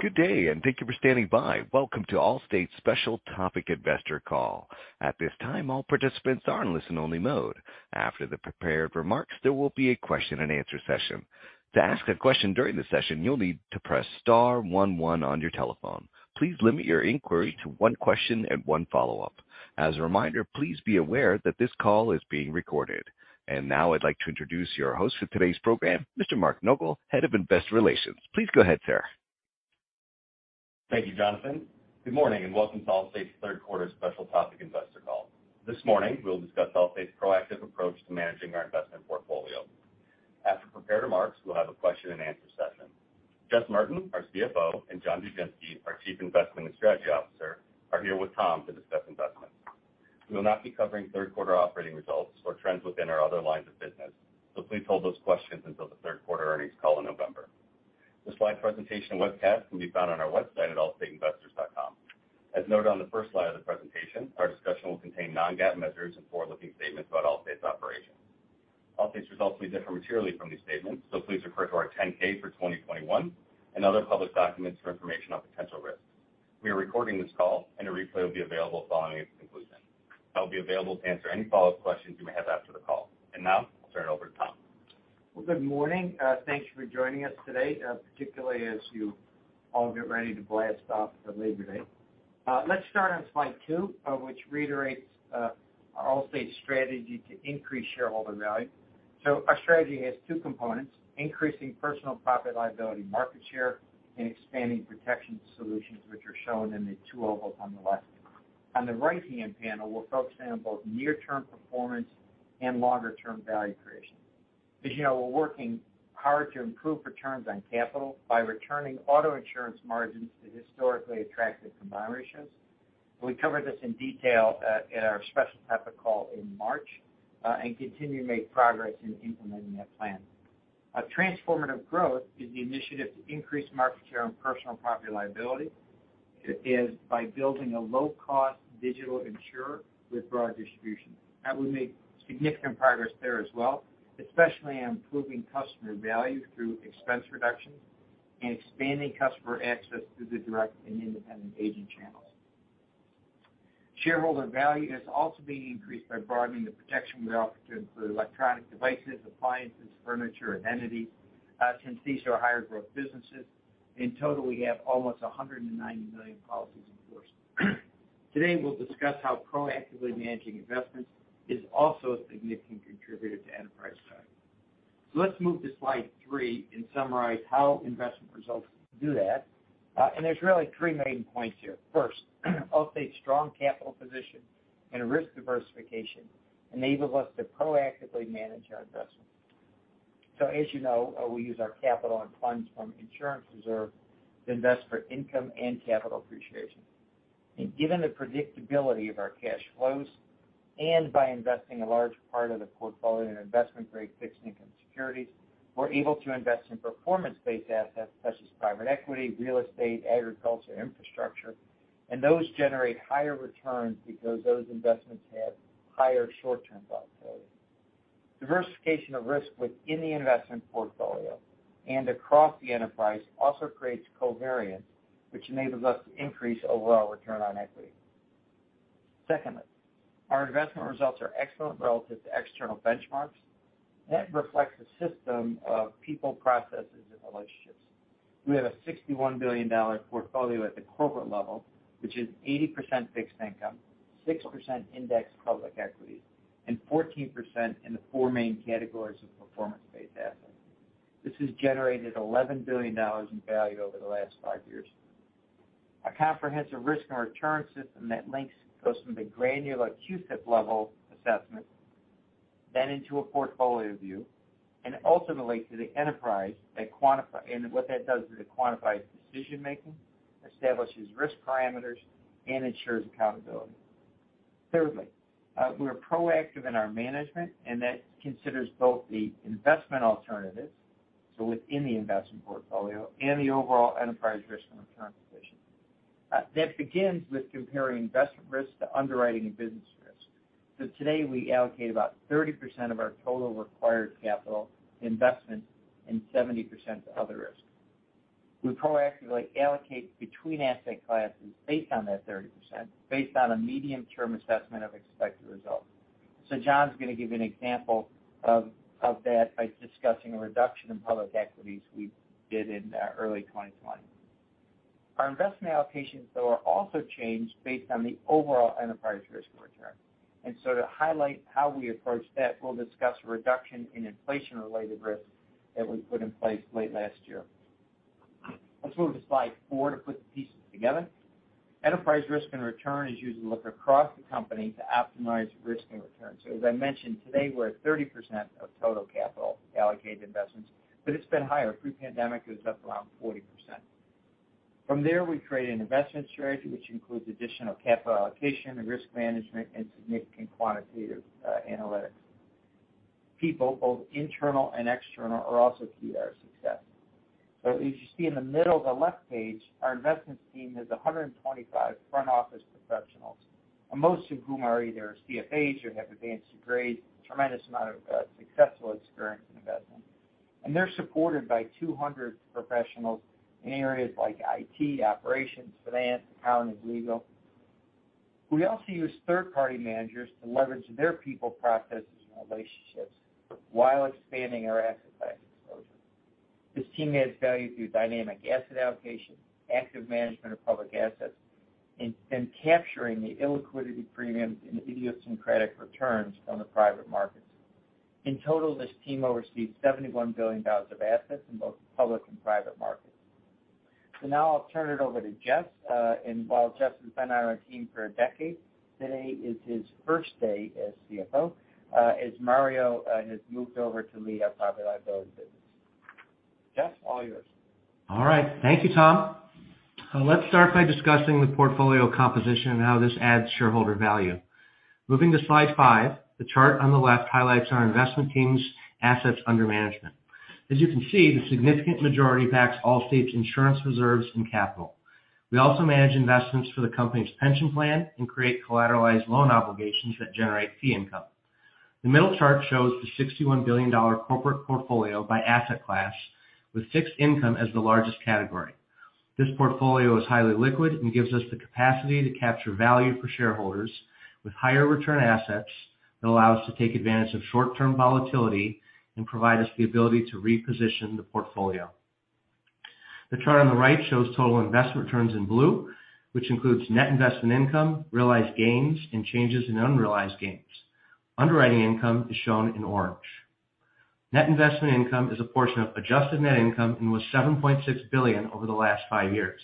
Good day, and thank you for standing by. Welcome to Allstate's Special Topic Investor Call. At this time, all participants are in listen-only mode. After the prepared remarks, there will be a question-and-answer session. To ask a question during the session, you'll need to press star one one on your telephone. Please limit your inquiry to one question and one follow-up. As a reminder, please be aware that this call is being recorded. Now I'd like to introduce your host for today's program, Mr. Mark Nogal, Head of Investor Relations. Please go ahead, sir. Thank you, Jonathan. Good morning, and welcome to Allstate's third quarter special topic investor call. This morning, we'll discuss Allstate's proactive approach to managing our investment portfolio. After prepared remarks, we'll have a question-and-answer session. Jess Merten, our CFO, and John Dugenske, our Chief Investment and Strategy Officer, are here with Tom to discuss investments. We will not be covering third-quarter operating results or trends within our other lines of business, so please hold those questions until the third-quarter earnings call in November. The slide presentation webcast can be found on our website at allstateinvestors.com. As noted on the first slide of the presentation, our discussion will contain non-GAAP measures and forward-looking statements about Allstate's operations. Allstate's results may differ materially from these statements, so please refer to our 10-K for 2021 and other public documents for information on potential risks. We are recording this call, and a replay will be available following its conclusion. I'll be available to answer any follow-up questions you may have after the call. Now I'll turn it over to Tom. Well, good morning. Thank you for joining us today, particularly as you all get ready to blast off for Labor Day. Let's start on slide 2, which reiterates Allstate's strategy to increase shareholder value. Our strategy has two components, increasing personal property-liability market share, and expanding protection solutions, which are shown in the two ovals on the left. On the right-hand panel, we're focusing on both near-term performance and longer-term value creation. As you know, we're working hard to improve returns on capital by returning auto insurance margins to historically attractive combined ratios. We covered this in detail at our special topic call in March, and continue to make progress in implementing that plan. A transformative growth is the initiative to increase market share on personal property-liability by building a low-cost digital insurer with broad distribution. That would make significant progress there as well, especially on improving customer value through expense reductions and expanding customer access through the direct and independent agent channels. Shareholder value is also being increased by broadening the protection we offer to include electronic devices, appliances, furniture, identity, since these are higher-growth businesses. In total, we have almost 190 million policies in force. Today, we'll discuss how proactively managing investments is also a significant contributor to enterprise value. Let's move to slide 3 and summarize how investment results do that. There's really three main points here. First, Allstate's strong capital position and risk diversification enables us to proactively manage our investments. As you know, we use our capital and funds from insurance reserve to invest for income and capital appreciation. Given the predictability of our cash flows, and by investing a large part of the portfolio in investment-grade fixed income securities, we're able to invest in performance-based assets such as private equity, real estate, agriculture, infrastructure, and those generate higher returns because those investments have higher short-term volatility. Diversification of risk within the investment portfolio and across the enterprise also creates covariance, which enables us to increase overall return on equity. Secondly, our investment results are excellent relative to external benchmarks. That reflects a system of people, processes, and relationships. We have a $61 billion portfolio at the corporate level, which is 80% fixed income, 6% indexed public equities, and 14% in the four main categories of performance-based assets. This has generated $11 billion in value over the last 5 years. A comprehensive risk and return system that links goes from the granular CUSIP level assessment, then into a portfolio view and ultimately to the enterprise that quantify. What that does is it quantifies decision-making, establishes risk parameters, and ensures accountability. Thirdly, we're proactive in our management, and that considers both the investment alternatives, so within the investment portfolio and the overall enterprise risk and return position. That begins with comparing investment risk to underwriting and business risk. Today, we allocate about 30% of our total required capital investment and 70% to other risks. We proactively allocate between asset classes based on that 30% based on a medium-term assessment of expected results. John's gonna give you an example of that by discussing a reduction in public equities we did in early 2020. Our investment allocations, though, are also changed based on the overall enterprise risk return. To highlight how we approach that, we'll discuss a reduction in inflation-related risks that we put in place late last year. Let's move to slide 4 to put the pieces together. Enterprise risk and return is used to look across the company to optimize risk and return. As I mentioned, today we're at 30% of total capital allocated investments, but it's been higher. Pre-pandemic, it was up around 40%. From there, we create an investment strategy, which includes additional capital allocation and risk management and significant quantitative analytics. People, both internal and external, are also key to our success. As you see in the middle of the left page, our investments team has 125 front office professionals. Most of whom are either CFAs or have advanced degrees, tremendous amount of successful experience in investment. They're supported by 200 professionals in areas like IT, operations, finance, accounting, and legal. We also use third-party managers to leverage their people, processes, and relationships while expanding our asset class exposure. This team adds value through dynamic asset allocation, active management of public assets, and capturing the illiquidity premiums and idiosyncratic returns from the private markets. In total, this team oversees $71 billion of assets in both public and private markets. Now I'll turn it over to Jess. While Jess has been on our team for a decade, today is his first day as CFO, as Mario has moved over to lead our Property-Liability business. Jess, all yours. All right. Thank you, Tom. Let's start by discussing the portfolio composition and how this adds shareholder value. Moving to slide 5, the chart on the left highlights our investment team's assets under management. As you can see, the significant majority backs Allstate's insurance reserves and capital. We also manage investments for the company's pension plan and create collateralized loan obligations that generate fee income. The middle chart shows the $61 billion corporate portfolio by asset class, with fixed income as the largest category. This portfolio is highly liquid and gives us the capacity to capture value for shareholders with higher return assets that allow us to take advantage of short-term volatility and provide us the ability to reposition the portfolio. The chart on the right shows total investment returns in blue, which includes net investment income, realized gains, and changes in unrealized gains. Underwriting income is shown in orange. Net investment income is a portion of adjusted net income and was $7.6 billion over the last 5 years.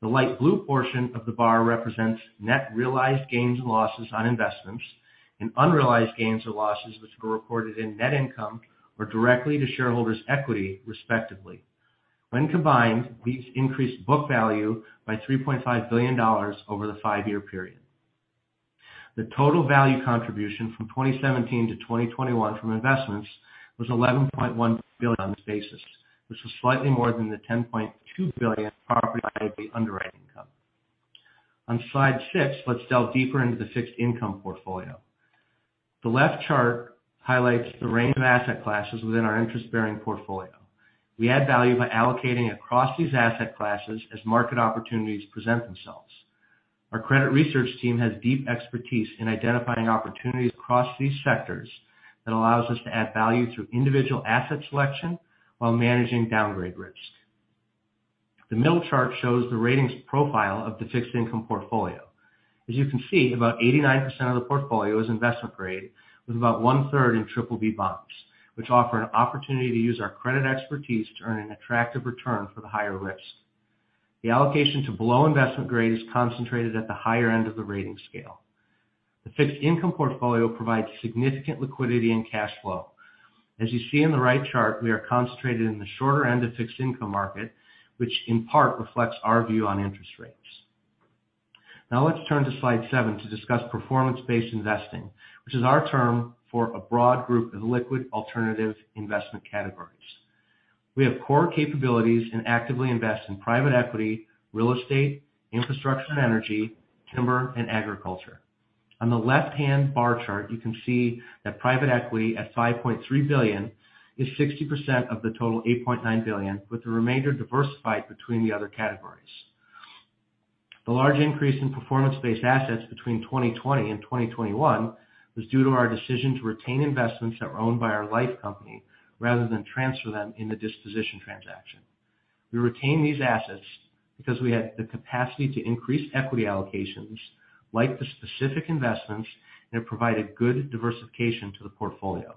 The light blue portion of the bar represents net realized gains and losses on investments and unrealized gains or losses, which were reported in net income or directly to shareholders' equity, respectively. When combined, these increased book value by $3.5 billion over the 5-year period. The total value contribution from 2017 to 2021 from investments was $11.1 billion on this basis, which was slightly more than the $10.2 billion property-underwriting income. On slide 6, let's delve deeper into the fixed income portfolio. The left chart highlights the range of asset classes within our interest-bearing portfolio. We add value by allocating across these asset classes as market opportunities present themselves. Our credit research team has deep expertise in identifying opportunities across these sectors that allows us to add value through individual asset selection while managing downgrade risk. The middle chart shows the ratings profile of the fixed income portfolio. As you can see, about 89% of the portfolio is investment-grade, with about 1/3 in triple B bonds, which offer an opportunity to use our credit expertise to earn an attractive return for the higher risk. The allocation to below investment grade is concentrated at the higher end of the rating scale. The fixed income portfolio provides significant liquidity and cash flow. As you see in the right chart, we are concentrated in the shorter end of fixed income market, which in part reflects our view on interest rates. Now let's turn to slide 7 to discuss performance-based investing, which is our term for a broad group of liquid alternative investment categories. We have core capabilities and actively invest in private equity, real estate, infrastructure and energy, timber, and agriculture. On the left-hand bar chart, you can see that private equity at $5.3 billion is 60% of the total $8.9 billion, with the remainder diversified between the other categories. The large increase in performance-based assets between 2020 and 2021 was due to our decision to retain investments that were owned by our life company rather than transfer them in the disposition transaction. We retained these assets because we had the capacity to increase equity allocations, like the specific investments, and provide a good diversification to the portfolio.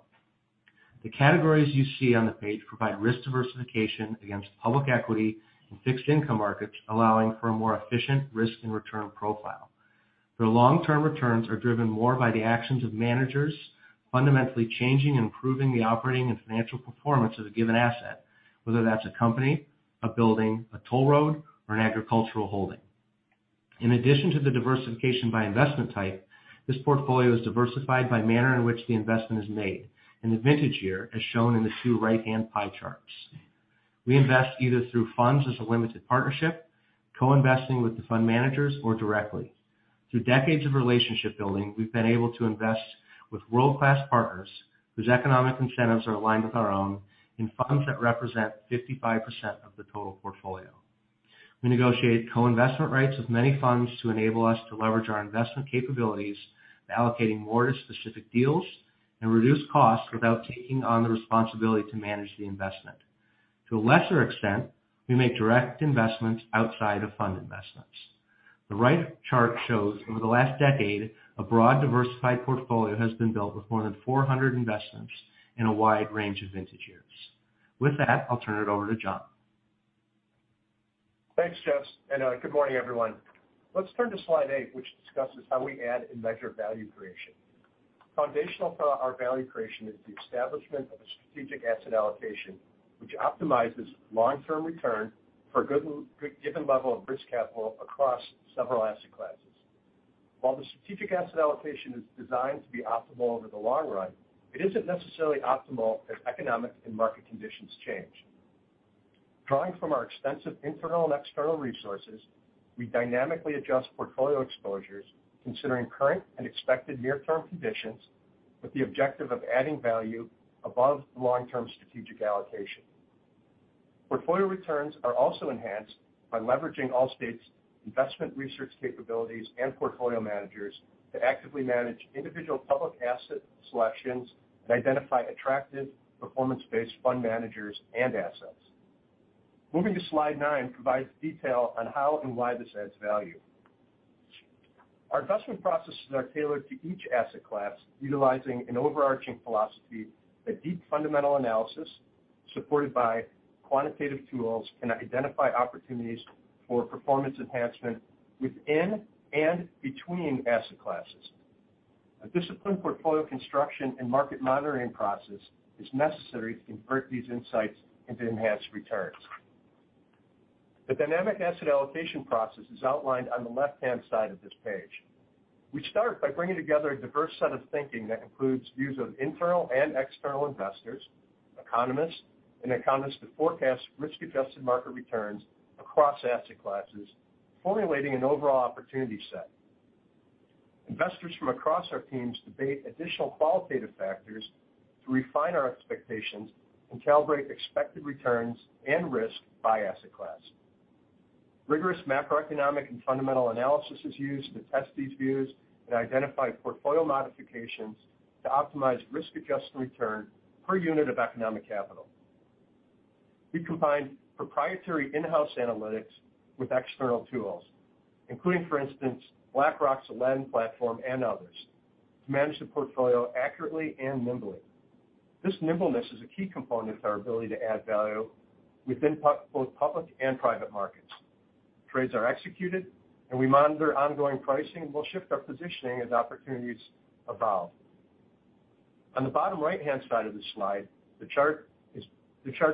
The categories you see on the page provide risk diversification against public equity and fixed income markets, allowing for a more efficient risk and return profile. Their long-term returns are driven more by the actions of managers fundamentally changing and improving the operating and financial performance of a given asset, whether that's a company, a building, a toll road, or an agricultural holding. In addition to the diversification by investment type, this portfolio is diversified by manner in which the investment is made, and the vintage year, as shown in the two right-hand pie charts. We invest either through funds as a limited partnership, co-investing with the fund managers, or directly. Through decades of relationship building, we've been able to invest with world-class partners whose economic incentives are aligned with our own in funds that represent 55% of the total portfolio. We negotiate co-investment rights with many funds to enable us to leverage our investment capabilities by allocating more to specific deals and reduce costs without taking on the responsibility to manage the investment. To a lesser extent, we make direct investments outside of fund investments. The right chart shows over the last decade, a broad diversified portfolio has been built with more than 400 investments in a wide range of vintage years. With that, I'll turn it over to John. Thanks, Jess, and good morning, everyone. Let's turn to slide 8, which discusses how we add and measure value creation. Foundational to our value creation is the establishment of a strategic asset allocation, which optimizes long-term return for a given level of risk capital across several asset classes. While the strategic asset allocation is designed to be optimal over the long run, it isn't necessarily optimal as economic and market conditions change. Drawing from our extensive internal and external resources, we dynamically adjust portfolio exposures considering current and expected near-term conditions with the objective of adding value above long-term strategic allocation. Portfolio returns are also enhanced by leveraging Allstate's investment research capabilities and portfolio managers to actively manage individual public asset selections and identify attractive performance-based fund managers and assets. Moving to slide 9 provides detail on how and why this adds value. Our investment processes are tailored to each asset class utilizing an overarching philosophy that deep fundamental analysis supported by quantitative tools can identify opportunities for performance enhancement within and between asset classes. A disciplined portfolio construction and market monitoring process is necessary to convert these insights into enhanced returns. The dynamic asset allocation process is outlined on the left-hand side of this page. We start by bringing together a diverse set of thinking that includes views of internal and external investors, economists, and economists to forecast risk-adjusted market returns across asset classes, formulating an overall opportunity set. Investors from across our teams debate additional qualitative factors to refine our expectations and calibrate expected returns and risk by asset class. Rigorous macroeconomic and fundamental analysis is used to test these views and identify portfolio modifications to optimize risk-adjusted return per unit of economic capital. We combine proprietary in-house analytics with external tools, including, for instance, BlackRock's Aladdin platform and others, to manage the portfolio accurately and nimbly. This nimbleness is a key component of our ability to add value within both public and private markets. Trades are executed, and we monitor ongoing pricing, and we'll shift our positioning as opportunities evolve. On the bottom right-hand side of this slide, the chart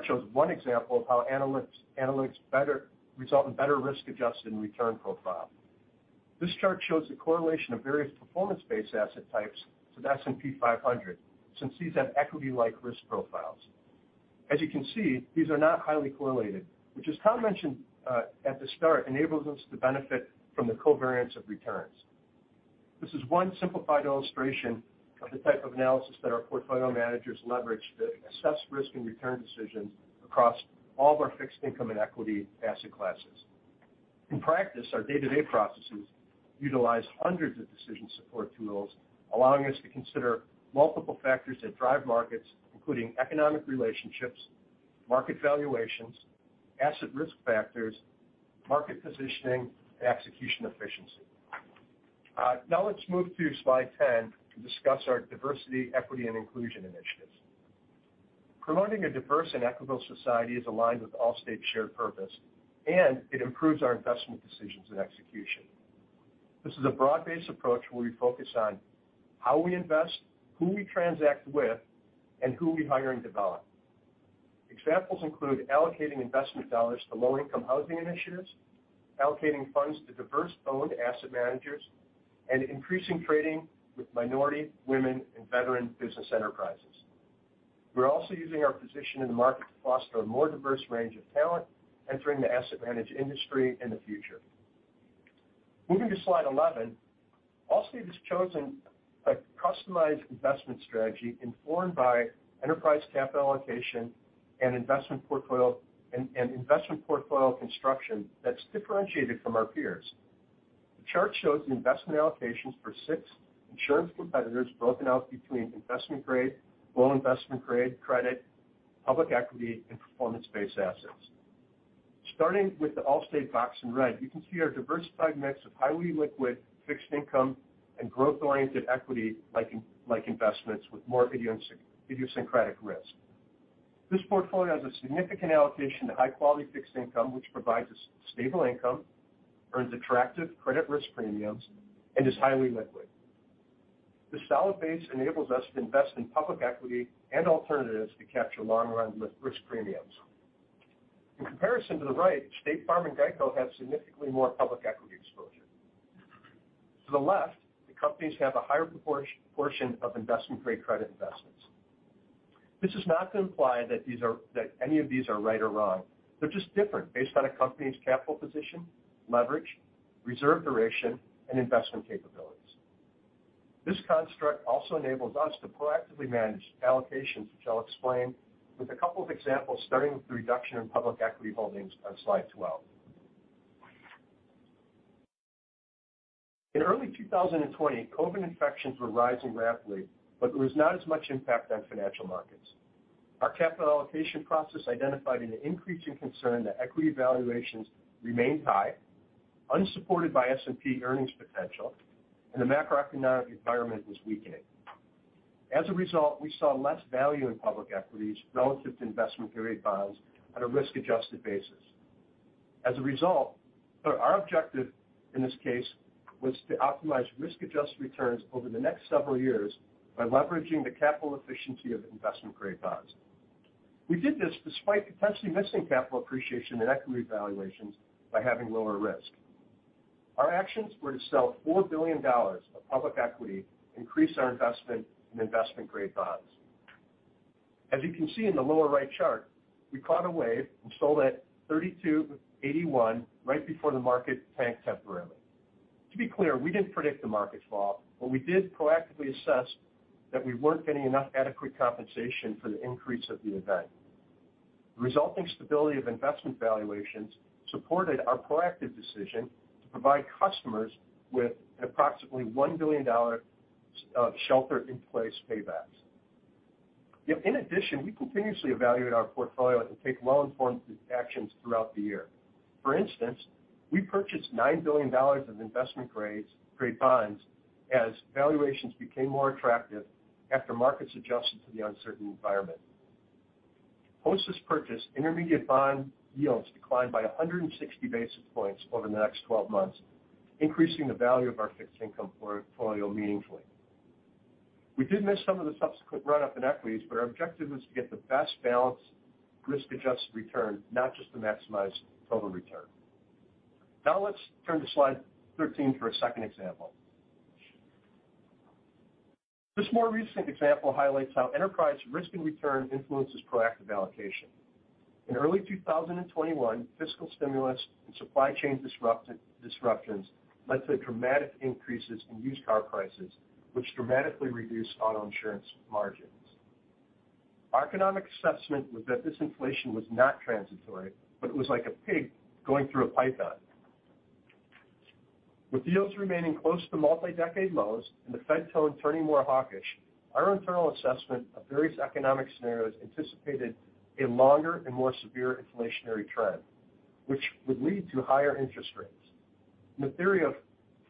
shows one example of how better analytics result in better risk-adjusted return profile. This chart shows the correlation of various performance-based asset types to the S&P 500 since these have equity-like risk profiles. As you can see, these are not highly correlated, which, as Tom mentioned, at the start, enables us to benefit from the covariance of returns. This is one simplified illustration of the type of analysis that our portfolio managers leverage to assess risk and return decisions across all of our fixed income and equity asset classes. In practice, our day-to-day processes utilize hundreds of decision support tools, allowing us to consider multiple factors that drive markets, including economic relationships, market valuations, asset risk factors, market positioning, and execution efficiency. Now let's move to slide 10 to discuss our diversity, equity, and inclusion initiatives. Promoting a diverse and equitable society is aligned with Allstate's shared purpose, and it improves our investment decisions and execution. This is a broad-based approach where we focus on how we invest, who we transact with, and who we hire and develop. Examples include allocating investment dollars to low-income housing initiatives, allocating funds to diverse-owned asset managers, and increasing trading with minority, women, and veteran business enterprises. We're also using our position in the market to foster a more diverse range of talent entering the asset management industry in the future. Moving to slide 11. Allstate has chosen a customized investment strategy informed by enterprise capital allocation and investment portfolio construction that's differentiated from our peers. The chart shows the investment allocations for six insurance competitors broken out between investment-grade, low investment-grade credit, public equity, and performance-based assets. Starting with the Allstate box in red, you can see our diversified mix of highly liquid fixed income and growth-oriented equity-like, like investments with more idiosyncratic risk. This portfolio has a significant allocation to high-quality fixed income, which provides us stable income, earns attractive credit risk premiums, and is highly liquid. This solid base enables us to invest in public equity and alternatives to capture long-run risk premiums. In comparison to the right, State Farm and GEICO have significantly more public equity exposure. To the left, the companies have a higher proportion of investment-grade credit investments. This is not to imply that any of these are right or wrong. They're just different based on a company's capital position, leverage, reserve duration, and investment capabilities. This construct also enables us to proactively manage allocations, which I'll explain with a couple of examples, starting with the reduction in public equity holdings on slide 12. In early 2020, COVID infections were rising rapidly, but there was not as much impact on financial markets. Our capital allocation process identified an increasing concern that equity valuations remained high, unsupported by S&P earnings potential, and the macroeconomic environment was weakening. As a result, we saw less value in public equities relative to investment-grade bonds at a risk-adjusted basis. As a result, our objective in this case was to optimize risk-adjusted returns over the next several years by leveraging the capital efficiency of investment-grade bonds. We did this despite potentially missing capital appreciation and equity valuations by having lower risk. Our actions were to sell $4 billion of public equity, increase our investment in investment-grade bonds. As you can see in the lower right chart, we caught a wave and sold at $32.81 billion right before the market tanked temporarily. To be clear, we didn't predict the market fall, but we did proactively assess that we weren't getting enough adequate compensation for the increase of the event. The resulting stability of investment valuations supported our proactive decision to provide customers with approximately $1 billion of shelter-in-place paybacks. In addition, we continuously evaluate our portfolio and take well-informed decisions throughout the year. For instance, we purchased $9 billion of investment grade bonds as valuations became more attractive after markets adjusted to the uncertain environment. Post this purchase, intermediate bond yields declined by 160 basis points over the next 12 months, increasing the value of our fixed income portfolio meaningfully. We did miss some of the subsequent run-up in equities, but our objective was to get the best balanced risk-adjusted return, not just to maximize total return. Now let's turn to slide 13 for a second example. This more recent example highlights how enterprise risk and return influences proactive allocation. In early 2021, fiscal stimulus and supply chain Disruptions led to dramatic increases in used car prices, which dramatically reduced auto insurance margins. Our economic assessment was that this inflation was not transitory, but it was like a pig going through a python. With yields remaining close to multi-decade lows and the Fed tone turning more hawkish, our internal assessment of various economic scenarios anticipated a longer and more severe inflationary trend, which would lead to higher interest rates. The theory of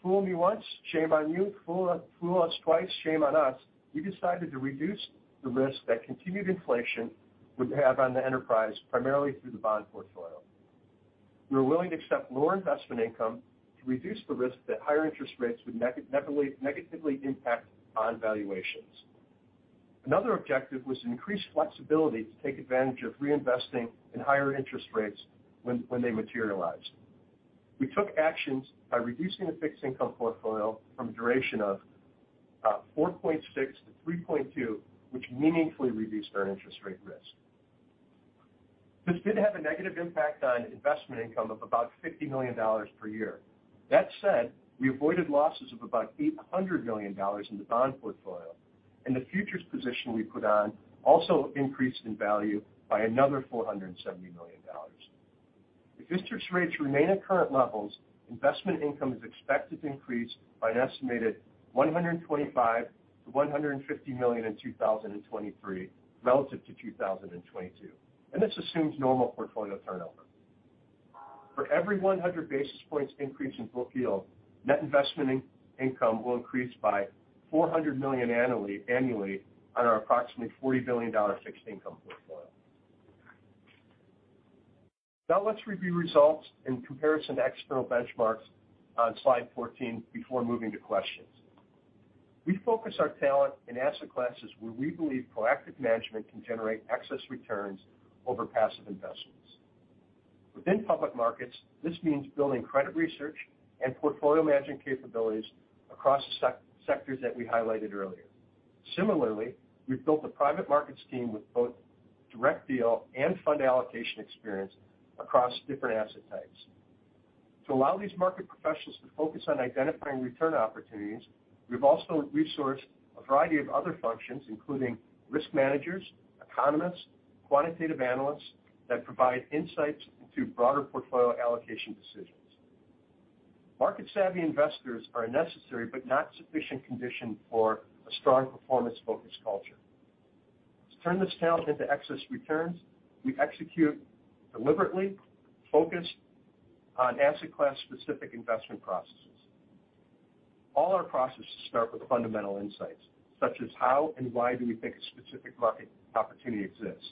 fool me once, shame on you, fool us twice, shame on us. We decided to reduce the risk that continued inflation would have on the enterprise, primarily through the bond portfolio. We were willing to accept lower investment income to reduce the risk that higher interest rates would negatively impact bond valuations. Another objective was to increase flexibility to take advantage of reinvesting in higher interest rates when they materialized. We took actions by reducing the fixed income portfolio from a duration of 4.6 to 3.2, which meaningfully reduced our interest rate risk. This did have a negative impact on investment income of about $50 million per year. That said, we avoided losses of about $800 million in the bond portfolio, and the futures position we put on also increased in value by another $470 million. If interest rates remain at current levels, investment income is expected to increase by an estimated $125 million-$150 million in 2023 relative to 2022, and this assumes normal portfolio turnover. For every 100 basis points increase in book yield, net investment income will increase by $400 million annually on our approximately $40 billion fixed income portfolio. Now let's review results in comparison to external benchmarks on slide 14 before moving to questions. We focus our talent in asset classes where we believe proactive management can generate excess returns over passive investments. Within public markets, this means building credit research and portfolio management capabilities across the sectors that we highlighted earlier. Similarly, we've built a private markets team with both direct deal and fund allocation experience across different asset types. To allow these market professionals to focus on identifying return opportunities, we've also resourced a variety of other functions, including risk managers, economists, quantitative analysts that provide insights into broader portfolio allocation decisions. Market Savvy investors are a necessary but not sufficient condition for a strong performance-focused culture. To turn this talent into excess returns, we execute deliberately, focused on asset class-specific investment processes. All our processes start with fundamental insights, such as how and why do we think a specific market opportunity exists.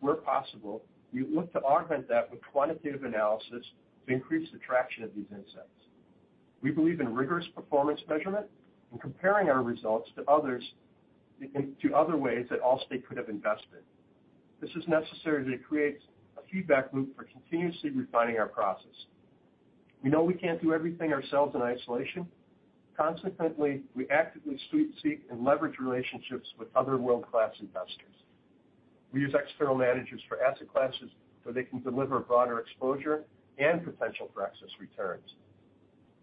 Where possible, we look to augment that with quantitative analysis to increase the traction of these insights. We believe in rigorous performance measurement and comparing our results to others, to other ways that Allstate could have invested. This is necessary to create a feedback loop for continuously refining our process. We know we can't do everything ourselves in isolation. Consequently, we actively seek and leverage relationships with other world-class investors. We use external managers for asset classes where they can deliver broader exposure and potential for excess returns.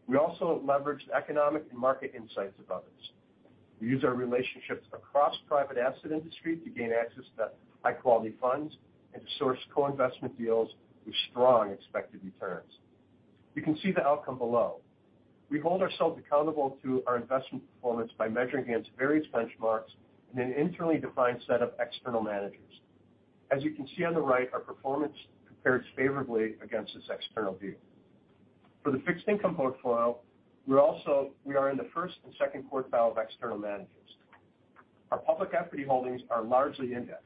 We also leverage the economic and market insights of others. We use our relationships across private asset industry to gain access to high-quality funds and to source co-investment deals with strong expected returns. You can see the outcome below. We hold ourselves accountable to our investment performance by measuring against various benchmarks in an internally defined set of external managers. As you can see on the right, our performance compares favorably against this external view. For the fixed income portfolio, we are in the first and second quartile of external managers. Our public equity holdings are largely indexed.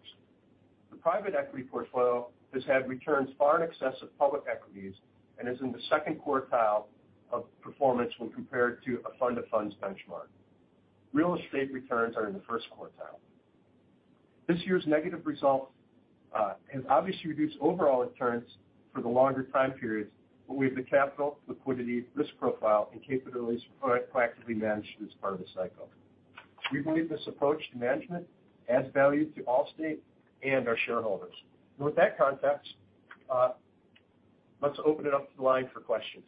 The private equity portfolio has had returns far in excess of public equities and is in the second quartile of performance when compared to a fund of funds benchmark. Real estate returns are in the first quartile. This year's negative result has obviously reduced overall returns for the longer time periods, but we have the capital, liquidity, risk profile, and capabilities proactively managed as part of the cycle. We believe this approach to management adds value to Allstate and our shareholders. With that context, let's open it up to the line for questions.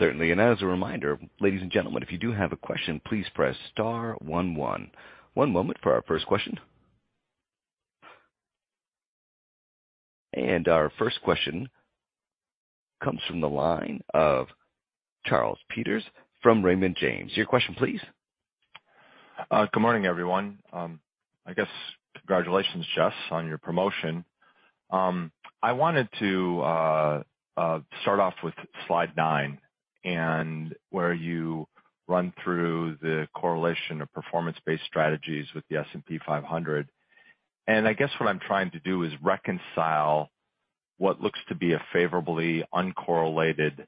Certainly. As a reminder, ladies and gentlemen, if you do have a question, please press star one one. One moment for our first question. Our first question comes from the line of Charles Peters from Raymond James. Your question, please. Good morning, everyone. I guess congratulations, Jess, on your promotion. I wanted to start off with slide 9 and where you run through the correlation of performance-based strategies with the S&P 500. I guess what I'm trying to do is reconcile what looks to be a favorably uncorrelated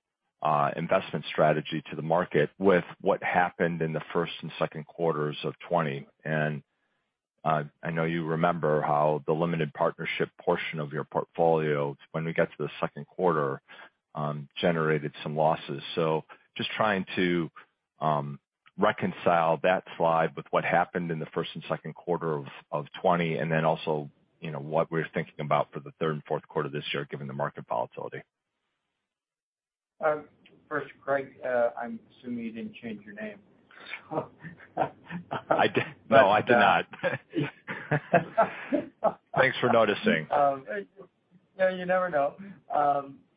investment strategy to the market with what happened in the first and second quarters of 2020. I know you remember how the limited partnership portion of your portfolio, when we got to the second quarter, generated some losses. Just trying to reconcile that slide with what happened in the first and second quarter of 2020, and then also, you know, what we're thinking about for the third and fourth quarter this year, given the market volatility. First, Greg, I'm assuming you didn't change your name. No, I did not. Thanks for noticing. No, you never know.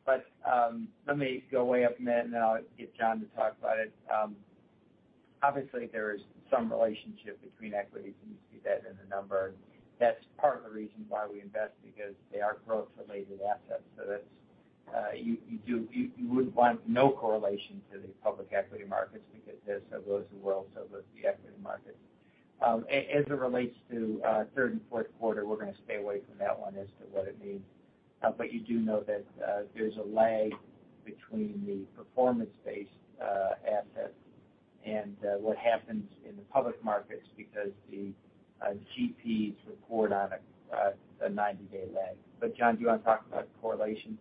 Let me go way up then, and I'll get John to talk about it. Obviously, there is some relationship between equities, and you see that in the number. That's part of the reason why we invest, because they are growth-related assets. That's you wouldn't want no correlation to the public equity markets because as goes the world, so goes the equity market. As it relates to third and fourth quarter, we're gonna stay away from that one as to what it means. You do know that there's a lag between the performance-based assets and what happens in the public markets because the GPs report on a 90-day lag. John, do you want to talk about correlations?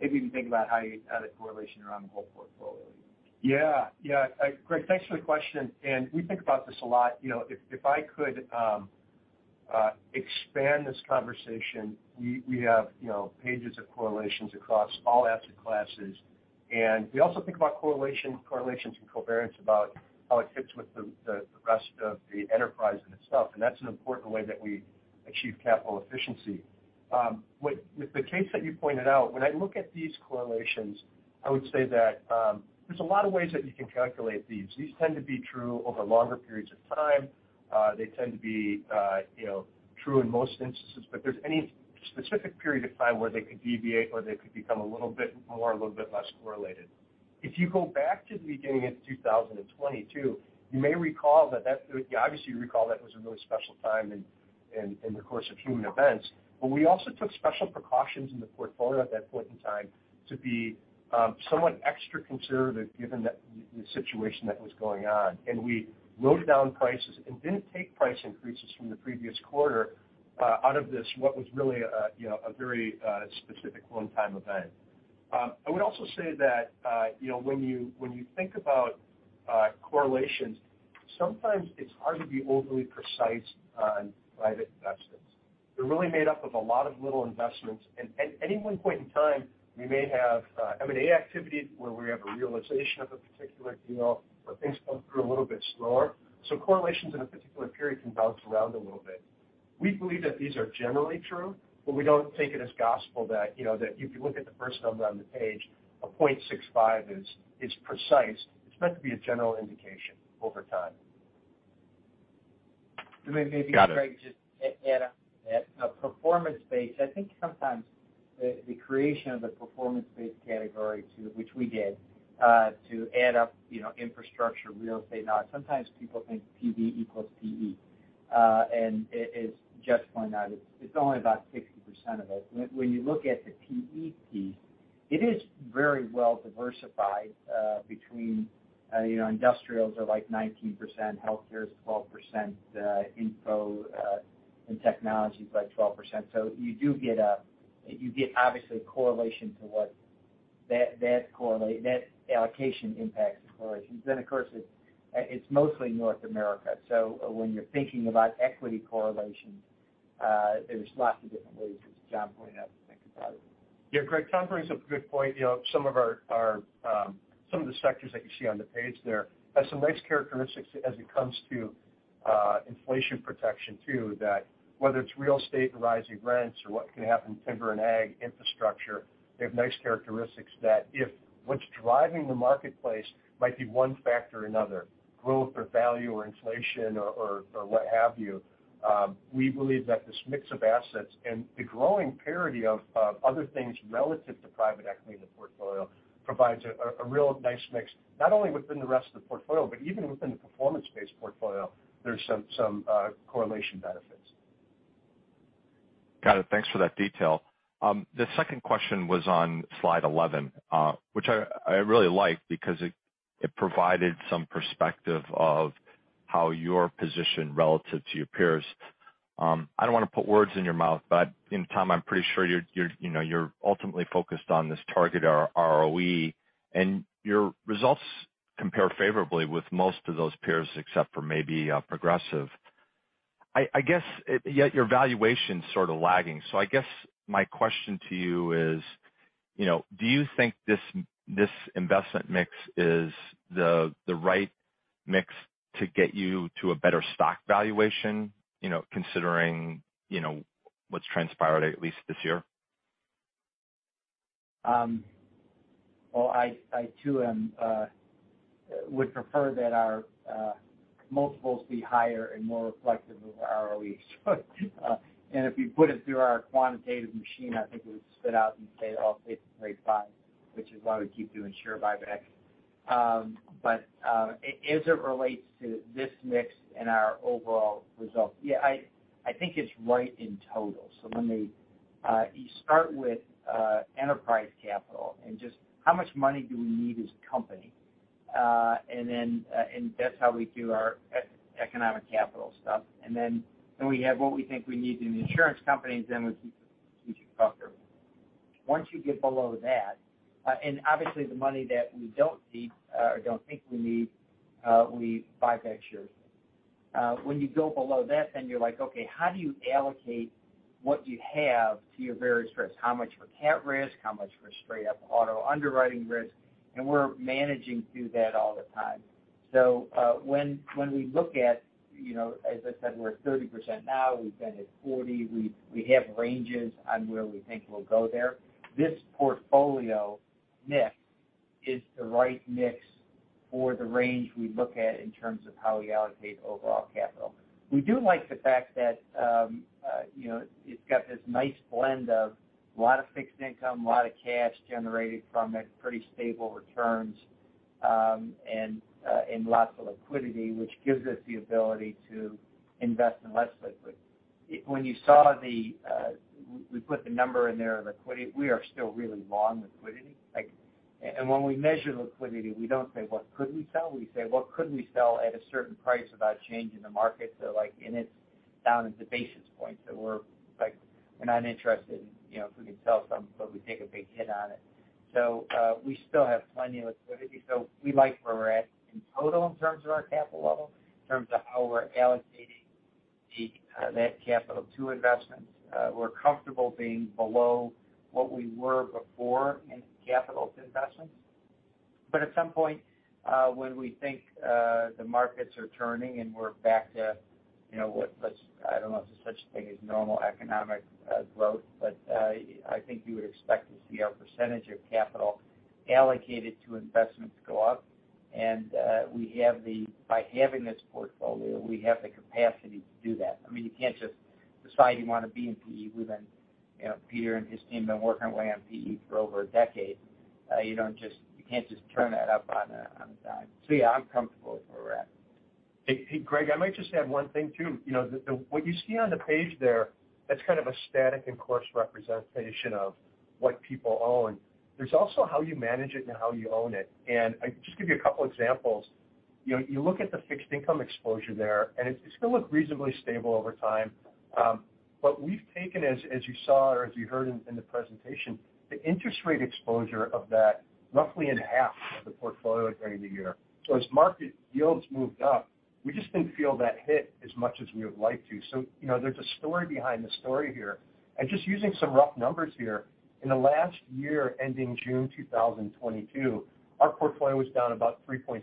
Maybe you can think about how you add a correlation around the whole portfolio. Yeah. Yeah. Greg, thanks for the question. We think about this a lot. You know, if I could expand this conversation, we have you know, pages of correlations across all asset classes. We also think about correlation, correlations and covariance about how it fits with the rest of the enterprise in itself, and that's an important way that we achieve capital efficiency. With the case that you pointed out, when I look at these correlations, I would say that there's a lot of ways that you can calculate these. These tend to be true over longer periods of time. They tend to be you know, true in most instances. There's any specific period of time where they could deviate or they could become a little bit more, a little bit less correlated. If you go back to the beginning of 2022, you may recall that you obviously recall that was a really special time in the course of human events, but we also took special precautions in the portfolio at that point in time to be somewhat extra conservative given that the situation that was going on. We loaded down prices and didn't take price increases from the previous quarter out of this, what was really, you know, a very specific one-time event. I would also say that, you know, when you think about correlations, sometimes it's hard to be overly precise on private investments. They're really made up of a lot of little investments. At any one point in time, we may have M&A activity where we have a realization of a particular deal or things come through a little bit slower. Correlations in a particular period can bounce around a little bit. We believe that these are generally true, but we don't take it as gospel that, you know, that if you look at the first number on the page, 0.65 is precise. It's meant to be a general indication over time. Got it. Maybe, Greg, just add on to that. A performance-based, I think sometimes the creation of the performance-based category to which we did to add up infrastructure, real estate. Now, sometimes people think PB equals PE, and as Jess pointed out, it's only about 60% of it. When you look at the PE piece, it is very well diversified between industrials are like 19%, healthcare is 12%, information and technology is like 12%. So you do get you get obviously correlation to what that allocation impacts the correlations. Then of course, it's mostly North America. So when you're thinking about equity correlation, there's lots of different ways, as John pointed out, to think about it. Yeah, Greg, John brings up a good point. You know, some of our some of the sectors that you see on the page there have some nice characteristics as it comes to inflation protection too, that whether it's real estate and rising rents or what can happen in timber and AG infrastructure, they have nice characteristics that if what's driving the marketplace might be one factor or another, growth or value or inflation or what have you, we believe that this mix of assets and the growing parity of other things relative to private equity in the portfolio provides a real nice mix, not only within the rest of the portfolio, but even within the performance-based portfolio, there's some correlation benefits. Got it. Thanks for that detail. The second question was on slide 11, which I really like because it provided some perspective of how you're positioned relative to your peers. I don't wanna put words in your mouth, but in time, I'm pretty sure you're ultimately focused on this target ROE, and your results compare favorably with most of those peers, except for maybe Progressive. I guess yet your valuation's sort of lagging. I guess my question to you is, do you think this investment mix is the right mix to get you to a better stock valuation, considering what's transpired at least this year? Well, I too would prefer that our multiples be higher and more reflective of our ROE. If you put it through our quantitative machine, I think it would spit out and say, "Oh, it's grade five," which is why we keep doing share buyback. As it relates to this mix and our overall results, yeah, I think it's right in total. Let me start with enterprise capital and just how much money do we need as a company. That's how we do our economic capital stuff. We have what we think we need in the insurance companies, then we keep the buffer. Once you get below that, and obviously the money that we don't need, or don't think we need, we buy back shares. When you go below that, then you're like, okay, how do you allocate what you have to your various risks? How much for cat risk, how much for straight up auto underwriting risk? We're managing through that all the time. When we look at, you know, as I said, we're at 30% now, we've been at 40, we have ranges on where we think we'll go there. This portfolio mix is the right mix for the range we look at in terms of how we allocate overall capital. We do like the fact that, you know, it's got this nice blend of a lot of fixed income, a lot of cash generated from it, pretty stable returns, and lots of liquidity, which gives us the ability to invest in less liquid. When you saw the we put the number in there of liquidity, we are still really long liquidity. Like, and when we measure liquidity, we don't say, what could we sell? We say, what could we sell at a certain price without changing the market? So like, and it's down to the basis point. So we're like, we're not interested in, you know, if we could sell something, but we take a big hit on it. We still have plenty of liquidity. We like where we're at in total in terms of our capital level, in terms of how we're allocating that capital to investments. We're comfortable being below what we were before in capital to investments. But at some point, when we think the markets are turning and we're back to, you know, I don't know if there's such a thing as normal economic growth, but I think you would expect to see our percentage of capital allocated to investments go up. And by having this portfolio, we have the capacity to do that. I mean, you can't just decide you wanna be in PE within, you know, Peter and his team have been working away on PE for over a decade. You don't just, you can't just turn that up on a dime. Yeah, I'm comfortable with where we're at. Hey, Pete, Greg, I might just add one thing too. You know, the what you see on the page there, that's kind of a static and coarse representation of what people own. There's also how you manage it and how you own it. I'll just give you a couple examples. You know, you look at the fixed income exposure there, and it's gonna look reasonably stable over time. But we've taken, as you saw or as you heard in the presentation, the interest rate exposure of that roughly in half of the portfolio during the year. As market yields moved up, we just didn't feel that hit as much as we would have liked to. You know, there's a story behind the story here. Just using some rough numbers here, in the last year ending June 2022, our portfolio was down about 3.7%,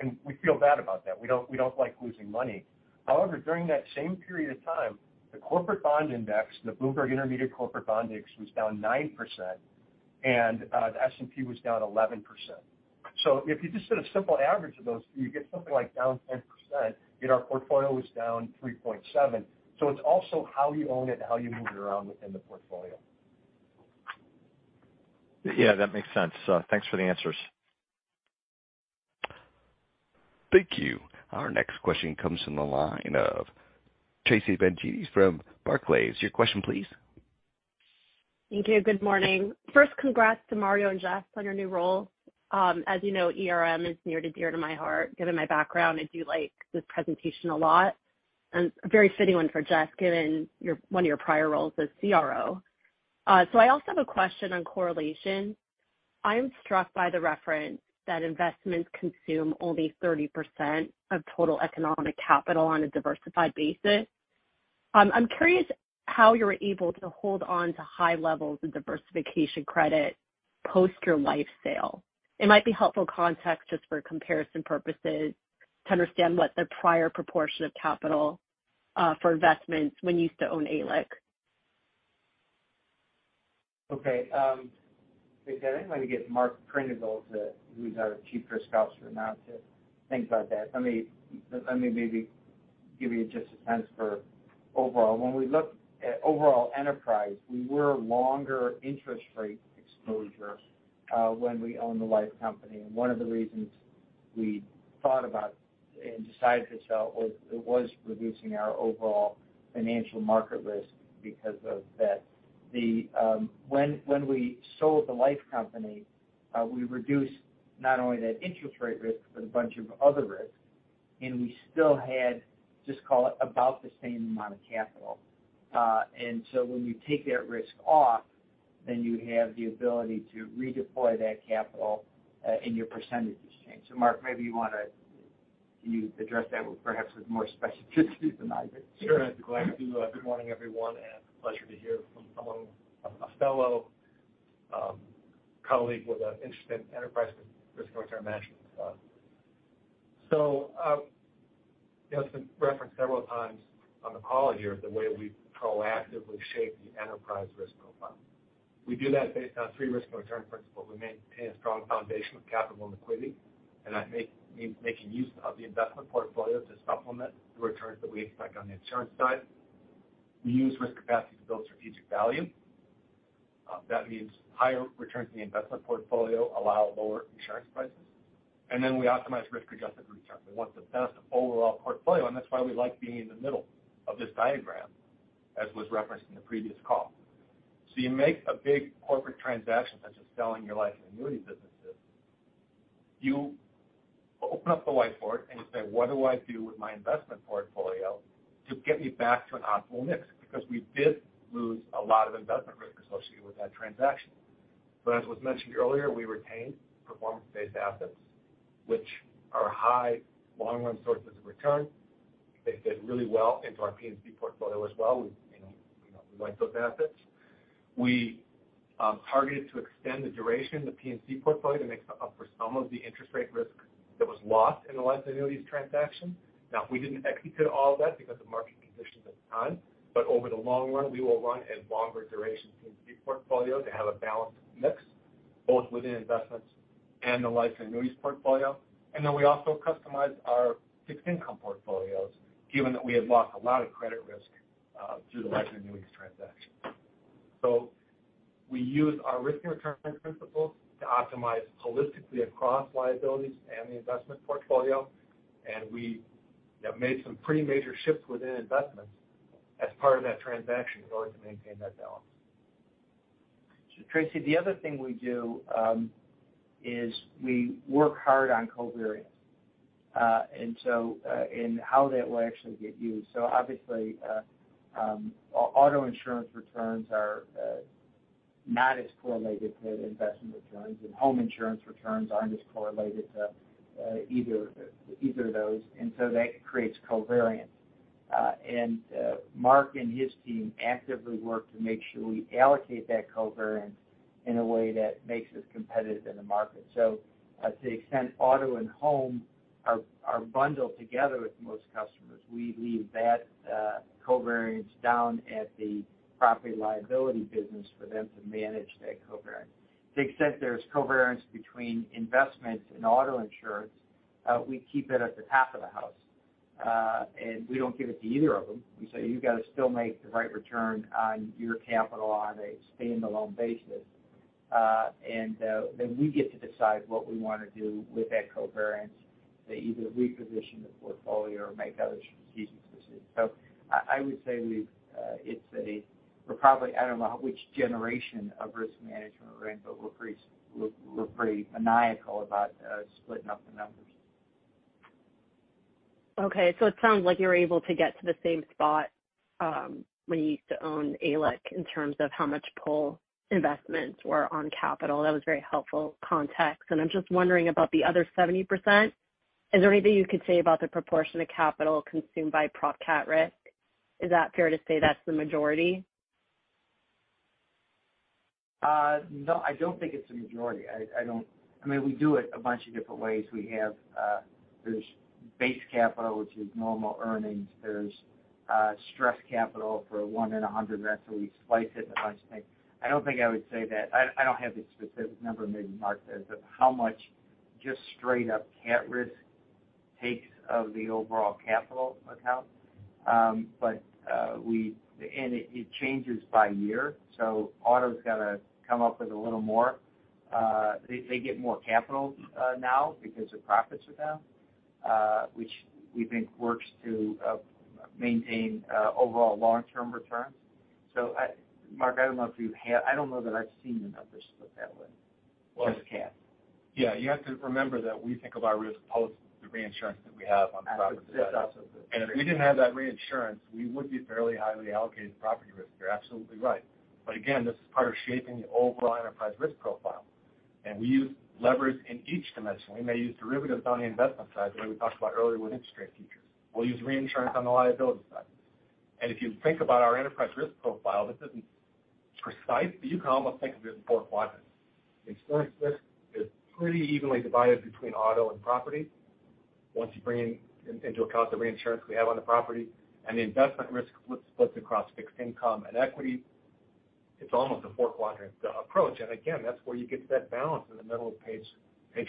and we feel bad about that. We don't like losing money. However, during that same period of time, the corporate bond index, the Bloomberg U.S. Intermediate Corporate Bond Index, was down 9%, and the S&P was down 11%. If you just did a simple average of those, you get something like down 10%, yet our portfolio was down 3.7%. It's also how you own it and how you move it around within the portfolio. Yeah, that makes sense. Thanks for the answers. Thank you. Our next question comes from the line of Tracy Benguigui from Barclays. Your question, please. Thank you. Good morning. First, congrats to Mario and Jess on your new role. As you know, ERM is near and dear to my heart, given my background. I do like this presentation a lot, and a very fitting one for Jess, given your, one of your prior roles as CRO. I also have a question on correlation. I am struck by the reference that investments consume only 30% of total economic capital on a diversified basis. I'm curious how you're able to hold on to high levels of diversification credit post your life sale. It might be helpful context just for comparison purposes to understand what the prior proportion of capital, for investments when you used to own ALIC. Okay. I think I'm gonna get Mark Prindiville, who's our Chief Risk Officer now, to think about that. Let me maybe give you just a sense for overall. When we look at overall enterprise, we were longer interest rate exposure, when we owned the life company. One of the reasons we thought about and decided to sell or it was reducing our overall financial market risk because of that. When we sold the life company, we reduced not only that interest rate risk, but a bunch of other risks, and we still had just call it about the same amount of capital. When you take that risk off, then you have the ability to redeploy that capital, and your percentages change. Mark, maybe you can address that perhaps with more specificity than I did. Sure. I'd be glad to. Good morning, everyone, and pleasure to hear from someone, a fellow colleague with an interest in enterprise risk return management. You know, it's been referenced several times on the call here the way we proactively shape the enterprise risk profile. We do that based on three risk return principles. We maintain a strong foundation with capital and liquidity, and that means making use of the investment portfolio to supplement the returns that we expect on the insurance side. We use risk capacity to build strategic value. That means higher returns in the investment portfolio allow lower insurance prices. We optimize risk-adjusted returns. We want the best overall portfolio, and that's why we like being in the middle of this diagram, as was referenced in the previous call. You make a big corporate transaction such as selling your life and annuity businesses, you open up the whiteboard, and you say, "What do I do with my investment portfolio to get me back to an optimal mix?" Because we did lose a lot of investment risk associated with that transaction. As was mentioned earlier, we retained performance-based assets, which are high long-run sources of return. They fit really well into our P&C portfolio as well. We, you know, we like those assets. We targeted to extend the duration of the P&C portfolio to make up for some of the interest rate risk that was lost in the life annuities transaction. Now, we didn't execute all of that because of market conditions at the time, but over the long run, we will run a longer duration P&C portfolio to have a balanced mix, both within investments and the life and annuities portfolio. Then we also customize our fixed income portfolios, given that we had lost a lot of credit risk through the life and annuities transaction. We use our risk and return principles to optimize holistically across liabilities and the investment portfolio, and we have made some pretty major shifts within investments as part of that transaction in order to maintain that balance. Tracy, the other thing we do is we work hard on covariance and how that will actually get used. Obviously, auto insurance returns are not as correlated to investment returns, and home insurance returns aren't as correlated to either of those, and that creates covariance. Mark and his team actively work to make sure we allocate that covariance in a way that makes us competitive in the market. To the extent auto and home are bundled together with most customers, we leave that covariance down at the Property-Liability business for them to manage that covariance. To the extent there's covariance between investments and auto insurance, we keep it at the top of the house and we don't give it to either of them. We say, "You've got to still make the right return on your capital on a stand-alone basis." Then we get to decide what we wanna do with that covariance to either reposition the portfolio or make other strategic decisions. I would say we're probably, I don't know, which generation of risk management we're in, but we're pretty maniacal about splitting up the numbers. Okay. It sounds like you're able to get to the same spot, when you used to own ALIC in terms of how much pull investments were on capital. That was very helpful context. I'm just wondering about the other 70%. Is there anything you could say about the proportion of capital consumed by prop cat risk? Is that fair to say that's the majority? No, I don't think it's the majority. I mean, we do it a bunch of different ways. We have there's base capital, which is normal earnings. There's stress capital for 1 in 100. That's where we slice it a bunch of things. I don't think I would say that. I don't have the specific number, maybe Mark does, of how much just straight up cat risk takes of the overall capital account. But it changes by year, so auto's gotta come up with a little more. They get more capital now because the profits are down, which we think works to maintain overall long-term returns. Mark, I don't know if you have. I don't know that I've seenbers split that way, just cat. Yeah, you have to remember that we think of our risk post the reinsurance that we have on the property side. If we didn't have that reinsurance, we would be fairly highly allocated to property risk. You're absolutely right. Again, this is part of shaping the overall enterprise risk profile. We use leverage in each dimension. We may use derivatives on the investment side, the way we talked about earlier with interest rate futures. We'll use reinsurance on the liability side. If you think about our enterprise risk profile, this isn't precise, but you can almost think of it in four quadrants. The insurance risk is pretty evenly divided between auto and property once you bring into account the reinsurance we have on the property. The investment risk splits across fixed income and equity. It's almost a four-quadrant approach. Again, that's where you get to that balance in the middle of page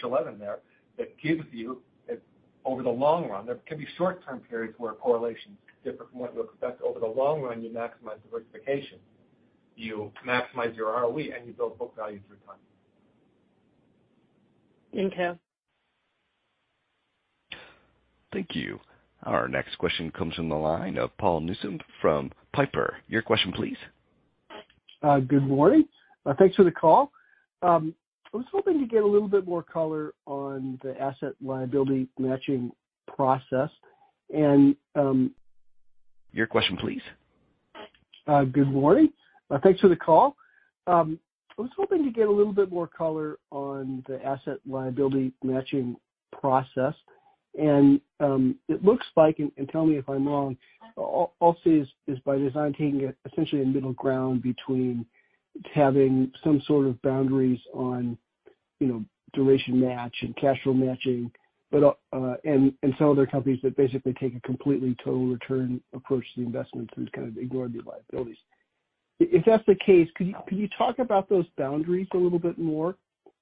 eleven there that gives you, over the long run, there can be short-term periods where correlations differ from what you expect. Over the long run, you maximize diversification. You maximize your ROE and you build book value through time. Thank you. Thank you. Our next question comes from the line of Paul Newsome from Piper. Your question, please. Good morning. Thanks for the call. I was hoping to get a little bit more color on the asset liability matching process and. Your question, please. Good morning. Thanks for the call. I was hoping to get a little bit more color on the asset liability matching process. It looks like, and tell me if I'm wrong, Allstate is by design taking essentially a middle ground between having some sort of boundaries on, you know, duration match and cash flow matching, but some other companies that basically take a completely total return approach to the investment and kind of ignore the liabilities. If that's the case, can you talk about those boundaries a little bit more,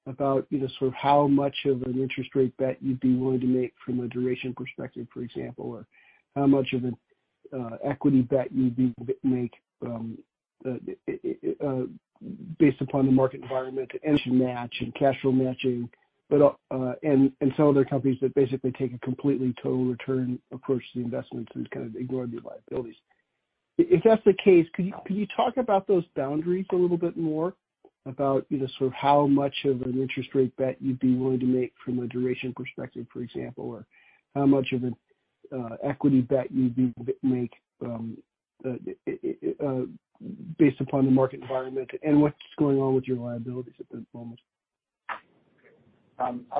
about, you know, sort of how much of an interest rate bet you'd be willing to make from a duration perspective, for example, or how much of an equity bet you'd make based upon the market environment and matching and cash flow matching, and some other companies that basically take a complete total return approach to the investment and kind of ignore the liabilities. I'll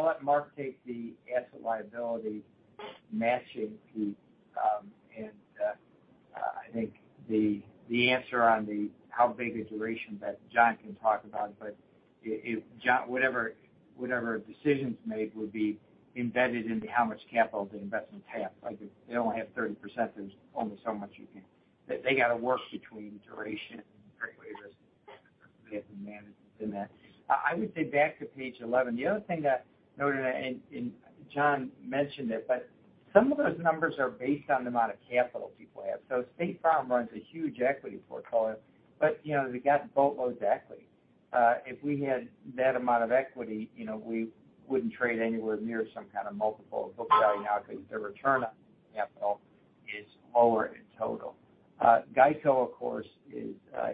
let Mark take the asset liability matching piece. I think the answer on how big a duration that John can talk about, but if John, whatever decisions made would be embedded into how much capital the investments have. Like, if they only have 30%, there's only so much you can. They gotta work between duration and regulatory risk they have to manage in that. I would say back to page 11, the other thing that noted, and John mentioned it, but some of those numbers are based on the amount of capital people have. State Farm runs a huge equity portfolio, but, you know, they got boatloads of equity. If we had that amount of equity, you know, we wouldn't trade anywhere near some kind of multiple of book value now because their return on capital is lower in total. GEICO, of course, is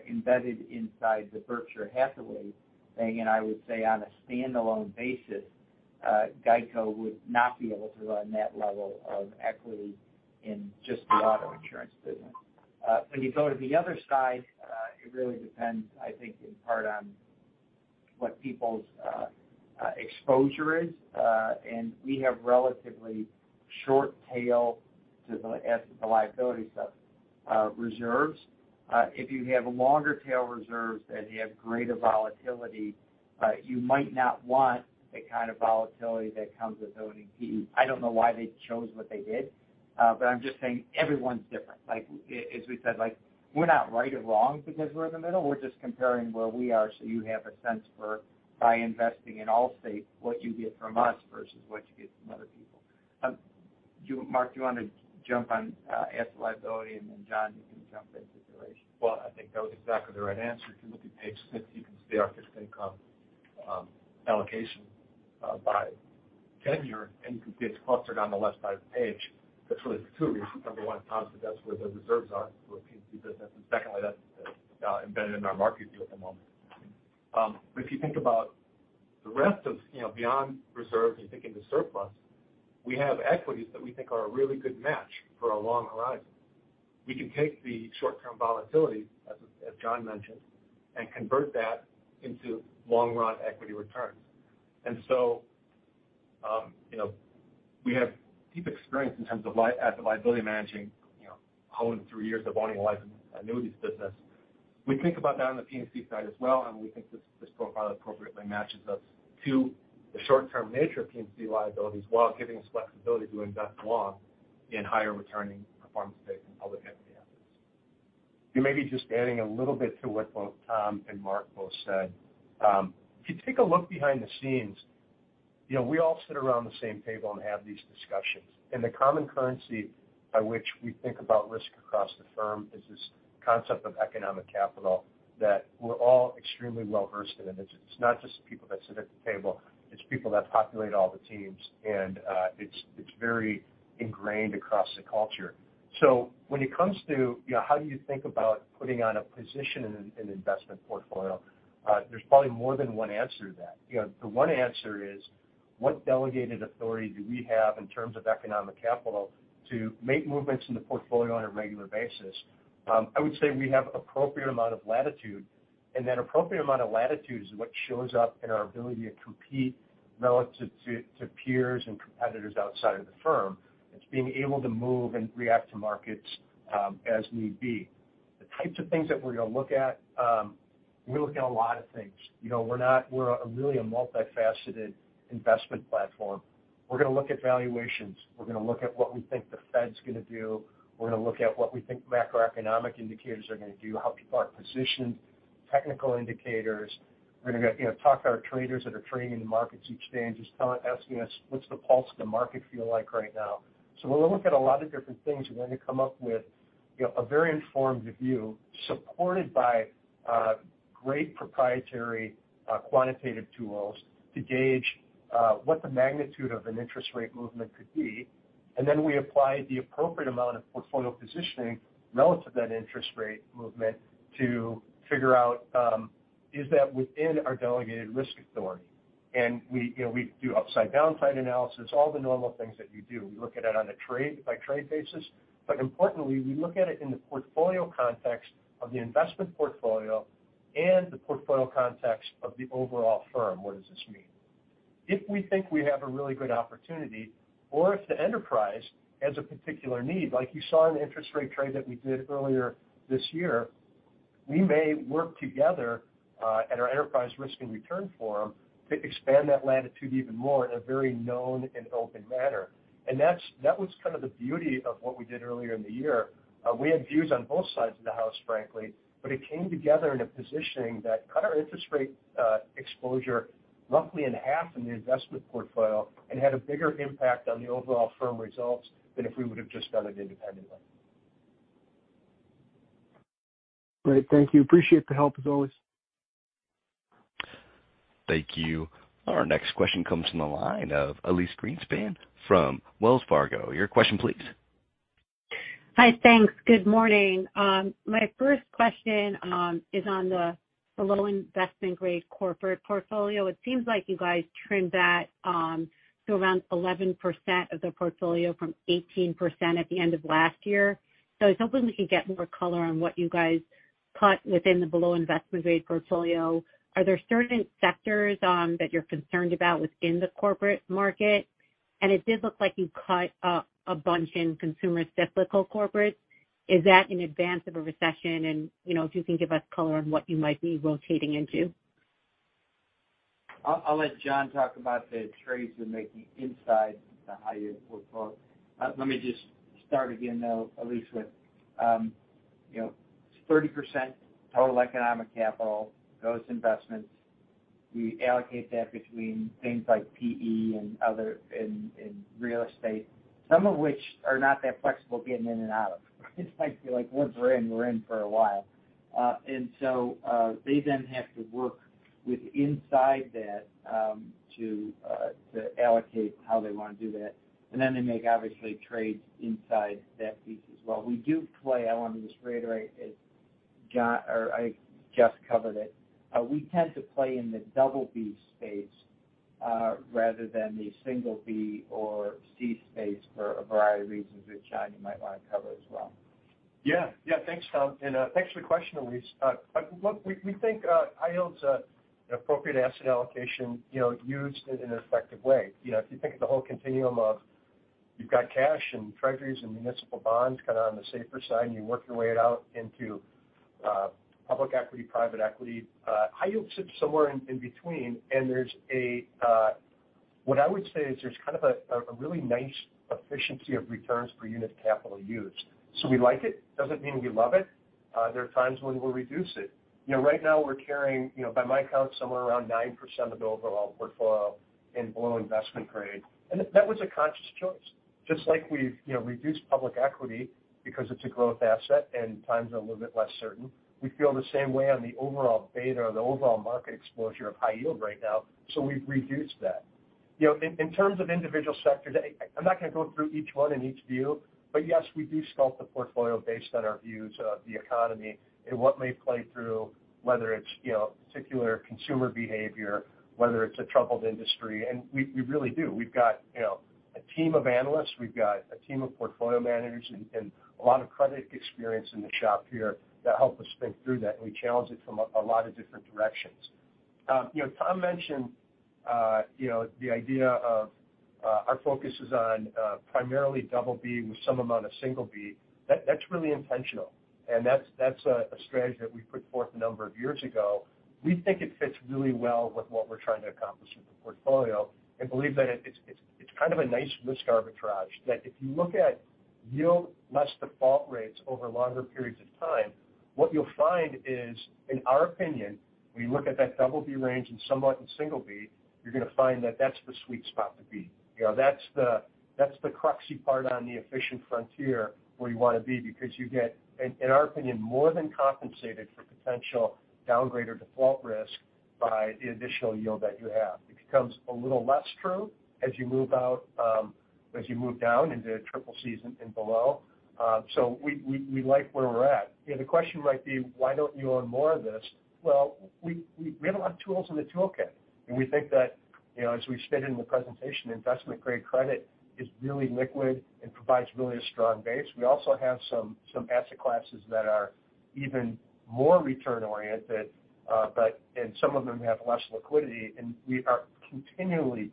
embedded inside the Berkshire Hathaway thing, and I would say on a standalone basis, GEICO would not be able to run that level of equity in just the auto insurance business. When you go to the other side, it really depends, I think, in part on what people's exposure is. We have relatively short tail to the liability stuff, reserves. If you have longer tail reserves and you have greater volatility, you might not want the kind of volatility that comes with owning PE. I don't know why they chose what they did, but I'm just saying everyone's different. Like, as we said, like, we're not right or wrong because we're in the middle. We're just comparing where we are so you have a sense for by investing in Allstate, what you get from us versus what you get from other people. Do you, Mark, want to jump on asset liability, and then John, you can jump into duration? Well, I think that was exactly the right answer. If you look at page 50, you can see our fixed income allocation by tenor, and you can see it's clustered on the left side of the page. That's really for two reasons. Number one, Tom said that's where the reserves are for the P&C business. Secondly, that's embedded in our market view at the moment. If you think about the rest of, you know, beyond reserves and the surplus, we have equities that we think are a really good match for a long horizon. We can take the short-term volatility, as John mentioned, and convert that into long-run equity returns. We have deep experience in terms of asset-liability management, you know, over 3 years of owning a life annuities business. We think about that on the P&C side as well, and we think this profile appropriately matches us to the short-term nature of P&C liabilities while giving us flexibility to invest long in higher returning performance-based and public equity assets. Maybe just adding a little bit to what both Tom and Mark said. If you take a look behind the scenes, you know, we all sit around the same table and have these discussions. The common currency by which we think about risk across the firm is this concept of economic capital, that we're all extremely well-versed in it. It's not just the people that sit at the table, it's people that populate all the teams, and it's very ingrained across the culture. When it comes to, you know, how do you think about putting on a position in an investment portfolio? There's probably more than one answer to that. You know, the one answer is, what delegated authority do we have in terms of economic capital to make movements in the portfolio on a regular basis? I would say we have appropriate amount of latitude, and that appropriate amount of latitude is what shows up in our ability to compete relative to to peers and competitors outside of the firm. It's being able to move and react to markets as need be. The types of things that we're gonna look at, we look at a lot of things. You know, we're a really a multifaceted investment platform. We're gonna look at valuations. We're gonna look at what we think the Fed's gonna do. We're gonna look at what we think macroeconomic indicators are gonna do, how people are positioned, technical indicators. We're gonna, you know, talk to our traders that are trading in the markets each day and just asking us what's the pulse of the market feel like right now. We're gonna look at a lot of different things, and we're gonna come up with a very informed view supported by great proprietary quantitative tools to gauge what the magnitude of an interest rate movement could be. We apply the appropriate amount of portfolio positioning relative to that interest rate movement to figure out is that within our delegated risk authority. We, you know, do upside downside analysis, all the normal things that you do. We look at it on a trade by trade basis. Importantly, we look at it in the portfolio context of the investment portfolio and the portfolio context of the overall firm. What does this mean? If we think we have a really good opportunity or if the enterprise has a particular need, like you saw in the interest rate trade that we did earlier this year, we may work together at our enterprise risk and return forum to expand that latitude even more in a very known and open manner. That was kind of the beauty of what we did earlier in the year. We had views on both sides of the house, frankly, but it came together in a positioning that cut our interest rate exposure roughly in half in the investment portfolio and had a bigger impact on the overall firm results than if we would've just done it independently. Great. Thank you. Appreciate the help as always. Thank you. Our next question comes from the line of Elyse Greenspan from Wells Fargo. Your question please. Hi. Thanks. Good morning. My first question is on the below investment grade corporate portfolio. It seems like you guys trimmed that to around 11% of the portfolio from 18% at the end of last year. I was hoping we could get more color on what you guys cut within the below investment grade portfolio. Are there certain sectors that you're concerned about within the corporate market? It did look like you cut a bunch in consumer cyclical corporates. Is that in advance of a recession? You know, if you can give us color on what you might be rotating into. I'll let John talk about the trades we're making inside the high yield portfolio. Let me just start again, though, Elyse with, you know, 30% total economic capital goes to investments. We allocate that between things like PE and other, and real estate, some of which are not that flexible getting in and out of. It's like, once we're in, we're in for a while. They then have to work with inside that to allocate how they wanna do that. Then they make obviously trades inside that piece as well. We do play. I wanna just reiterate as John or I just covered it. We tend to play in the double B space, rather than the single B or C space for a variety of reasons, which, John, you might wanna cover as well. Yeah. Yeah. Thanks, Tom. Thanks for the question, Elyse. Look, we think high yield's an appropriate asset allocation, you know, used in an effective way. You know, if you think of the whole continuum of you've got cash and treasuries and municipal bonds kinda on the safer side, and you work your way out into public equity, private equity. High yield sits somewhere in between, and there's what I would say is there's kind of a really nice efficiency of returns per unit capital used. So we like it. Doesn't mean we love it. There are times when we'll reduce it. You know, right now we're carrying, you know, by my count, somewhere around 9% of the overall portfolio in below investment grade. That was a conscious choice. Just like we've, you know, reduced public equity because it's a growth asset and times are a little bit less certain, we feel the same way on the overall beta or the overall market exposure of high yield right now, so we've reduced that. You know, in terms of individual sectors, I'm not gonna go through each one and each view, but yes, we do sculpt the portfolio based on our views of the economy and what may play through, whether it's, you know, particular consumer behavior, whether it's a troubled industry, and we really do. We've got, you know, a team of analysts, we've got a team of portfolio managers and a lot of credit experience in the shop here that help us think through that, and we challenge it from a lot of different directions. You know, Tom mentioned you know, the idea of our focus is on primarily double B with some amount of single B. That's really intentional, and that's a strategy that we put forth a number of years ago. We think it fits really well with what we're trying to accomplish with the portfolio and believe that it's kind of a nice risk arbitrage that if you look at yield less default rates over longer periods of time, what you'll find is, in our opinion, when you look at that double B range and somewhat in single B, you're gonna find that that's the sweet spot to be. You know, that's the crux part on the efficient frontier where you wanna be because you get, in our opinion, more than compensated for potential downgrade or default risk by the additional yield that you have. It becomes a little less true as you move out, as you move down into triple C's and below. We like where we're at. You know, the question might be, why don't you own more of this? Well, we have a lot of tools in the toolkit, and we think that, you know, as we stated in the presentation, investment grade credit is really liquid and provides really a strong base. We also have some asset classes that are even more return oriented, and some of them have less liquidity. We are continually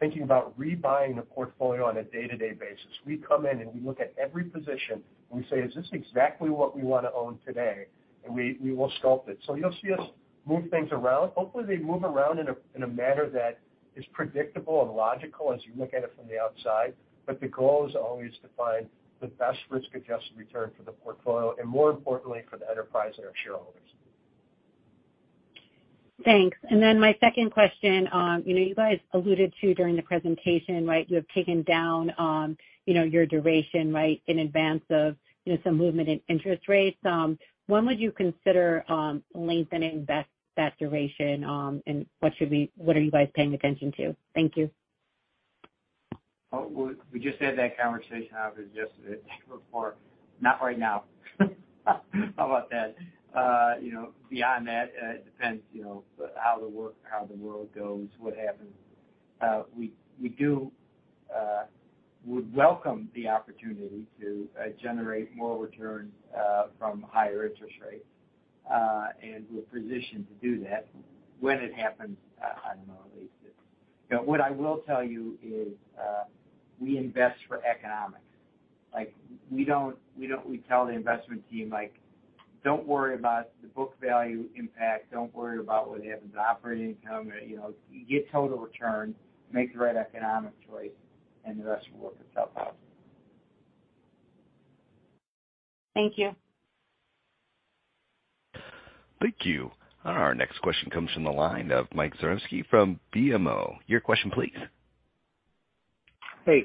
thinking about rebuying the portfolio on a day-to-day basis. We come in and we look at every position, and we say, "Is this exactly what we wanna own today?" We will sculpt it. You'll see us move things around. Hopefully, they move around in a manner that is predictable and logical as you look at it from the outside. The goal is always to find the best risk-adjusted return for the portfolio and more importantly, for the enterprise and our shareholders. Thanks. Then my second question, you know, you guys alluded to during the presentation, right, you have taken down, you know, your duration, right, in advance of, you know, some movement in interest rates. When would you consider lengthening that duration? And what are you guys paying attention to? Thank you. Well, we just had that conversation obviously just before. Not right now. How about that? You know, beyond that, it depends, you know, how the world goes, what happens. We would welcome the opportunity to generate more return from higher interest rates. We're positioned to do that. When it happens, I don't know, Elyse. You know, what I will tell you is, we invest for economics. Like, we don't. We tell the investment team, like, "Don't worry about the book value impact. Don't worry about what happens to operating income. You know, get total return, make the right economic choice, and the rest will work itself out. Thank you. Thank you. Our next question comes from the line of Michael Zaremski from BMO. Your question please. Hey,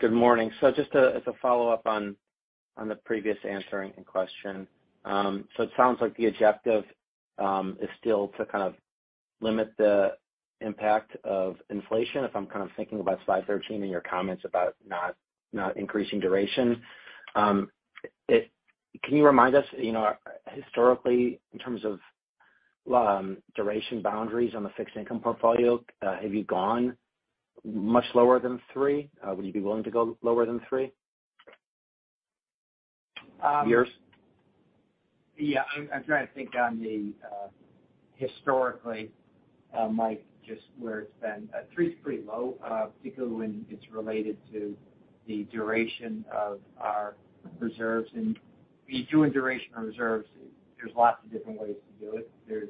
good morning. Just as a follow-up on the previous answer and question. It sounds like the objective is still to kind of limit the impact of inflation, if I'm kind of thinking about slide 13 and your comments about not increasing duration. Can you remind us, you know, historically, in terms of duration boundaries on the fixed income portfolio, have you gone much lower than 3? Would you be willing to go lower than 3? Um. Years. Yeah, I'm trying to think historically, Mike, just where it's been. 3's pretty low, particularly when it's related to the duration of our reserves. When you do a duration on reserves, there's lots of different ways to do it. There's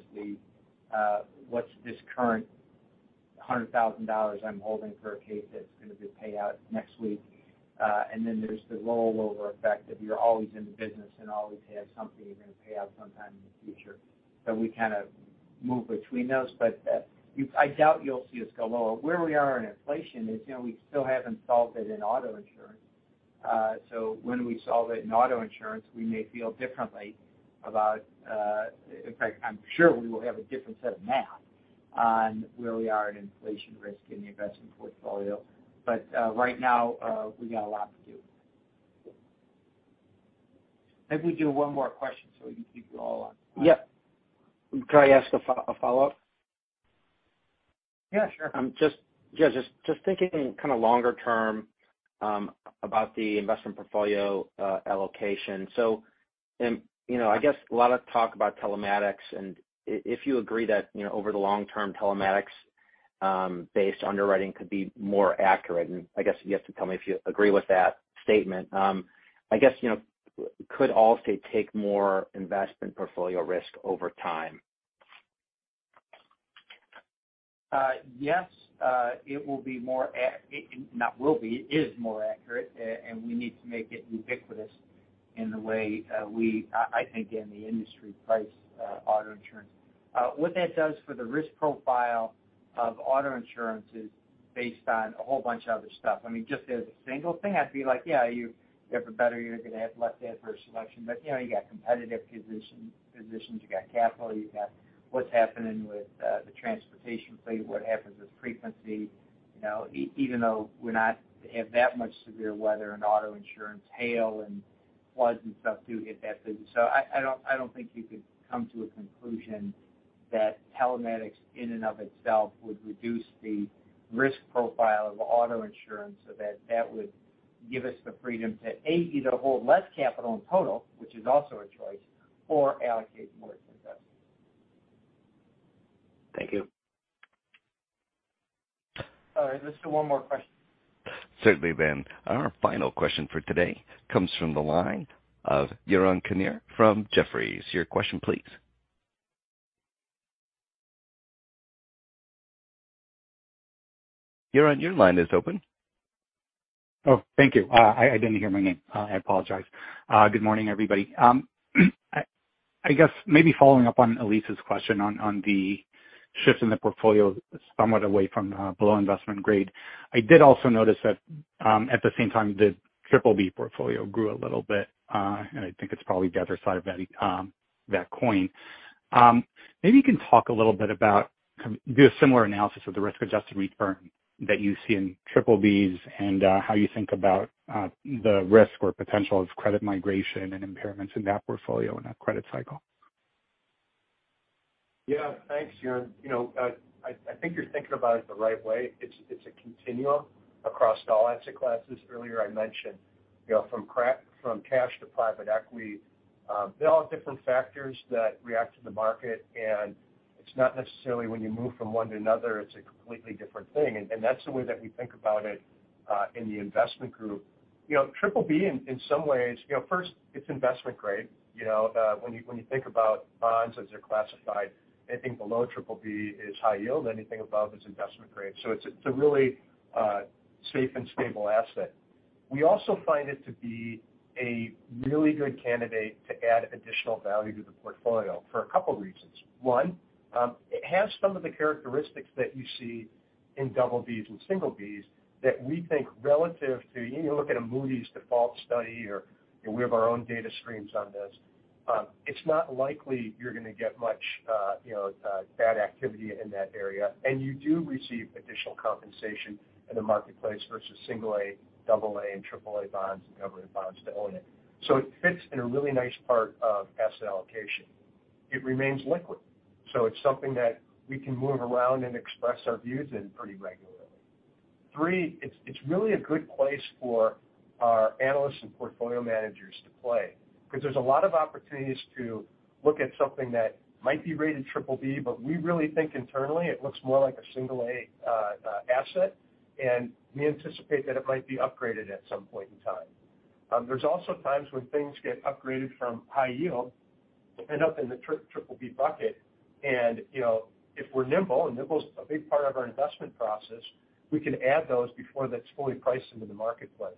what's this current $100,000 I'm holding for a case that's gonna be paid out next week. Then there's the rollover effect of you're always in the business and always have something you're gonna pay out sometime in the future. We kind of move between those. I doubt you'll see us go lower. Where we are in inflation is, you know, we still haven't solved it in auto insurance. When we solve it in auto insurance, we may feel differently about, in fact, I'm sure we will have a different set of math on where we are in inflation risk in the investment portfolio. Right now, we got a lot to do. Maybe we do one more question so we can keep you all on time. Yep. Could I ask a follow-up? Yeah, sure. Just thinking kind of longer term about the investment portfolio allocation. You know, I guess a lot of talk about telematics. If you agree that, you know, over the long term, telematics based underwriting could be more accurate, and I guess you have to tell me if you agree with that statement. I guess, you know, could Allstate take more investment portfolio risk over time? Yes, it is more accurate, and we need to make it ubiquitous in the way we think in the industry price auto insurance. What that does for the risk profile of auto insurance is based on a whole bunch of other stuff. I mean, just as a single thing, I'd be like, yeah, you have a better, you're gonna have less adverse selection. You know, you got competitive positions, you've got capital, you've got what's happening with the transportation fleet, what happens with frequency, you know. Even though we don't have that much severe weather in auto insurance, hail and floods and stuff do hit that business. I don't think you could come to a conclusion that telematics in and of itself would reduce the risk profile of auto insurance so that that would give us the freedom to, A, either hold less capital in total, which is also a choice, or allocate more to investments. Thank you. All right, let's do one more question. Certainly, Ben. Our final question for today comes from the line of Yaron Kinar from Jefferies. Your question please. Yaron, your line is open. Thank you. I didn't hear my name. I apologize. Good morning, everybody. I guess maybe following up on Elyse's question on the shift in the portfolio somewhat away from below investment grade. I did also notice that at the same time, the triple B portfolio grew a little bit. I think it's probably the other side of the coin. Maybe you can talk a little bit about, do a similar analysis of the risk-adjusted return that you see in triple Bs and how you think about the risk or potential of credit migration and impairments in that portfolio in a credit cycle. Yeah. Thanks, Yaron. You know, I think you're thinking about it the right way. It's a continuum across all asset classes. Earlier, I mentioned, you know, from cash to private equity, they all have different factors that react to the market, and it's not necessarily when you move from one to another, it's a completely different thing. That's the way that we think about it in the investment group. You know, triple B in some ways, you know, first it's investment grade. You know, when you think about bonds as they're classified, anything below triple B is high yield, anything above is investment grade. So it's a really safe and stable asset. We also find it to be a really good candidate to add additional value to the portfolio for a couple reasons. One, it has some of the characteristics that you see in double Bs and single Bs that we think relative to, you know, look at a Moody's default study or we have our own data screens on this, it's not likely you're gonna get much, you know, bad activity in that area. You do receive additional compensation in the marketplace versus single A, double A, and triple A bonds and government bonds to own it. It fits in a really nice part of asset allocation. It remains liquid, so it's something that we can move around and express our views in pretty regularly. Three, it's really a good place for our analysts and portfolio managers to play because there's a lot of opportunities to look at something that might be rated triple B, but we really think internally it looks more like a single A asset, and we anticipate that it might be upgraded at some point in time. There's also times when things get upgraded from high yield and end up in the triple B bucket. You know, if we're nimble, and nimble's a big part of our investment process, we can add those before that's fully priced into the marketplace.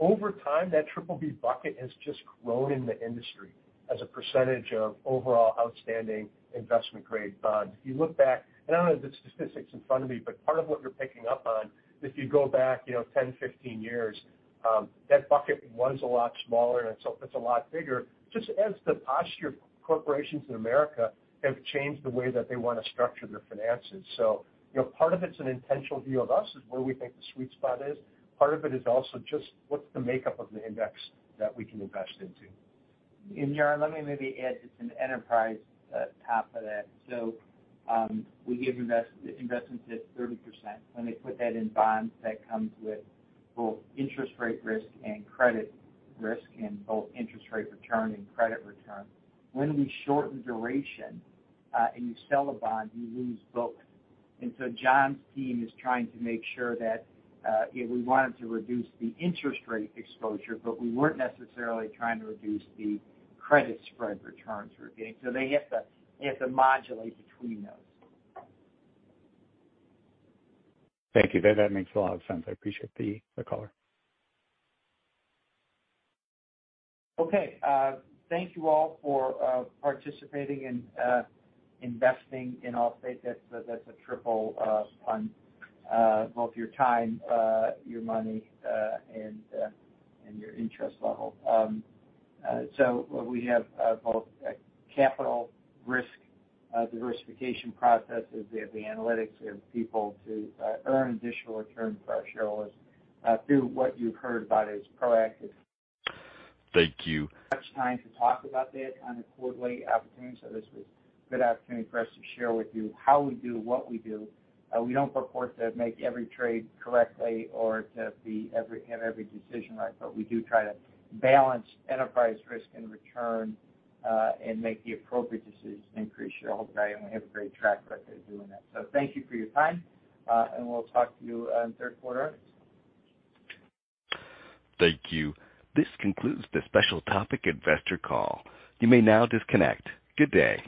Over time, that triple B bucket has just grown in the industry as a percentage of overall outstanding investment-grade bonds. You look back, and I don't have the statistics in front of me, but part of what you're picking up on, if you go back, you know, 10, 15 years, that bucket was a lot smaller and it's a lot bigger, just as the posture of corporations in America have changed the way that they wanna structure their finances. You know, part of it's an intentional view of us is where we think the sweet spot is. Part of it is also just what's the makeup of the index that we can invest into. Yaron, let me maybe add just an enterprise top of that. We give investments at 30%. When they put that in bonds, that comes with both interest rate risk and credit risk and both interest rate return and credit return. When we shorten duration, and you sell a bond, you lose both. John's team is trying to make sure that we wanted to reduce the interest rate exposure, but we weren't necessarily trying to reduce the credit spread returns we're getting. They have to modulate between those. Thank you. That makes a lot of sense. I appreciate the color. Okay. Thank you all for participating in investing in Allstate. That's a triple pun. Both your time, your money, and your interest level. What we have both a capital and risk diversification processes. We have the analytics. We have people to earn additional return for our shareholders through what you've heard about is proactive. Thank you. Much time to talk about that on a quarterly opportunity. This was good opportunity for us to share with you how we do what we do. We don't purport to make every trade correctly or to have every decision right, but we do try to balance enterprise risk and return, and make the appropriate decisions to increase shareholder value. We have a great track record of doing that. Thank you for your time, and we'll talk to you on third quarter. Thank you. This concludes the special topic investor call. You may now disconnect. Good day.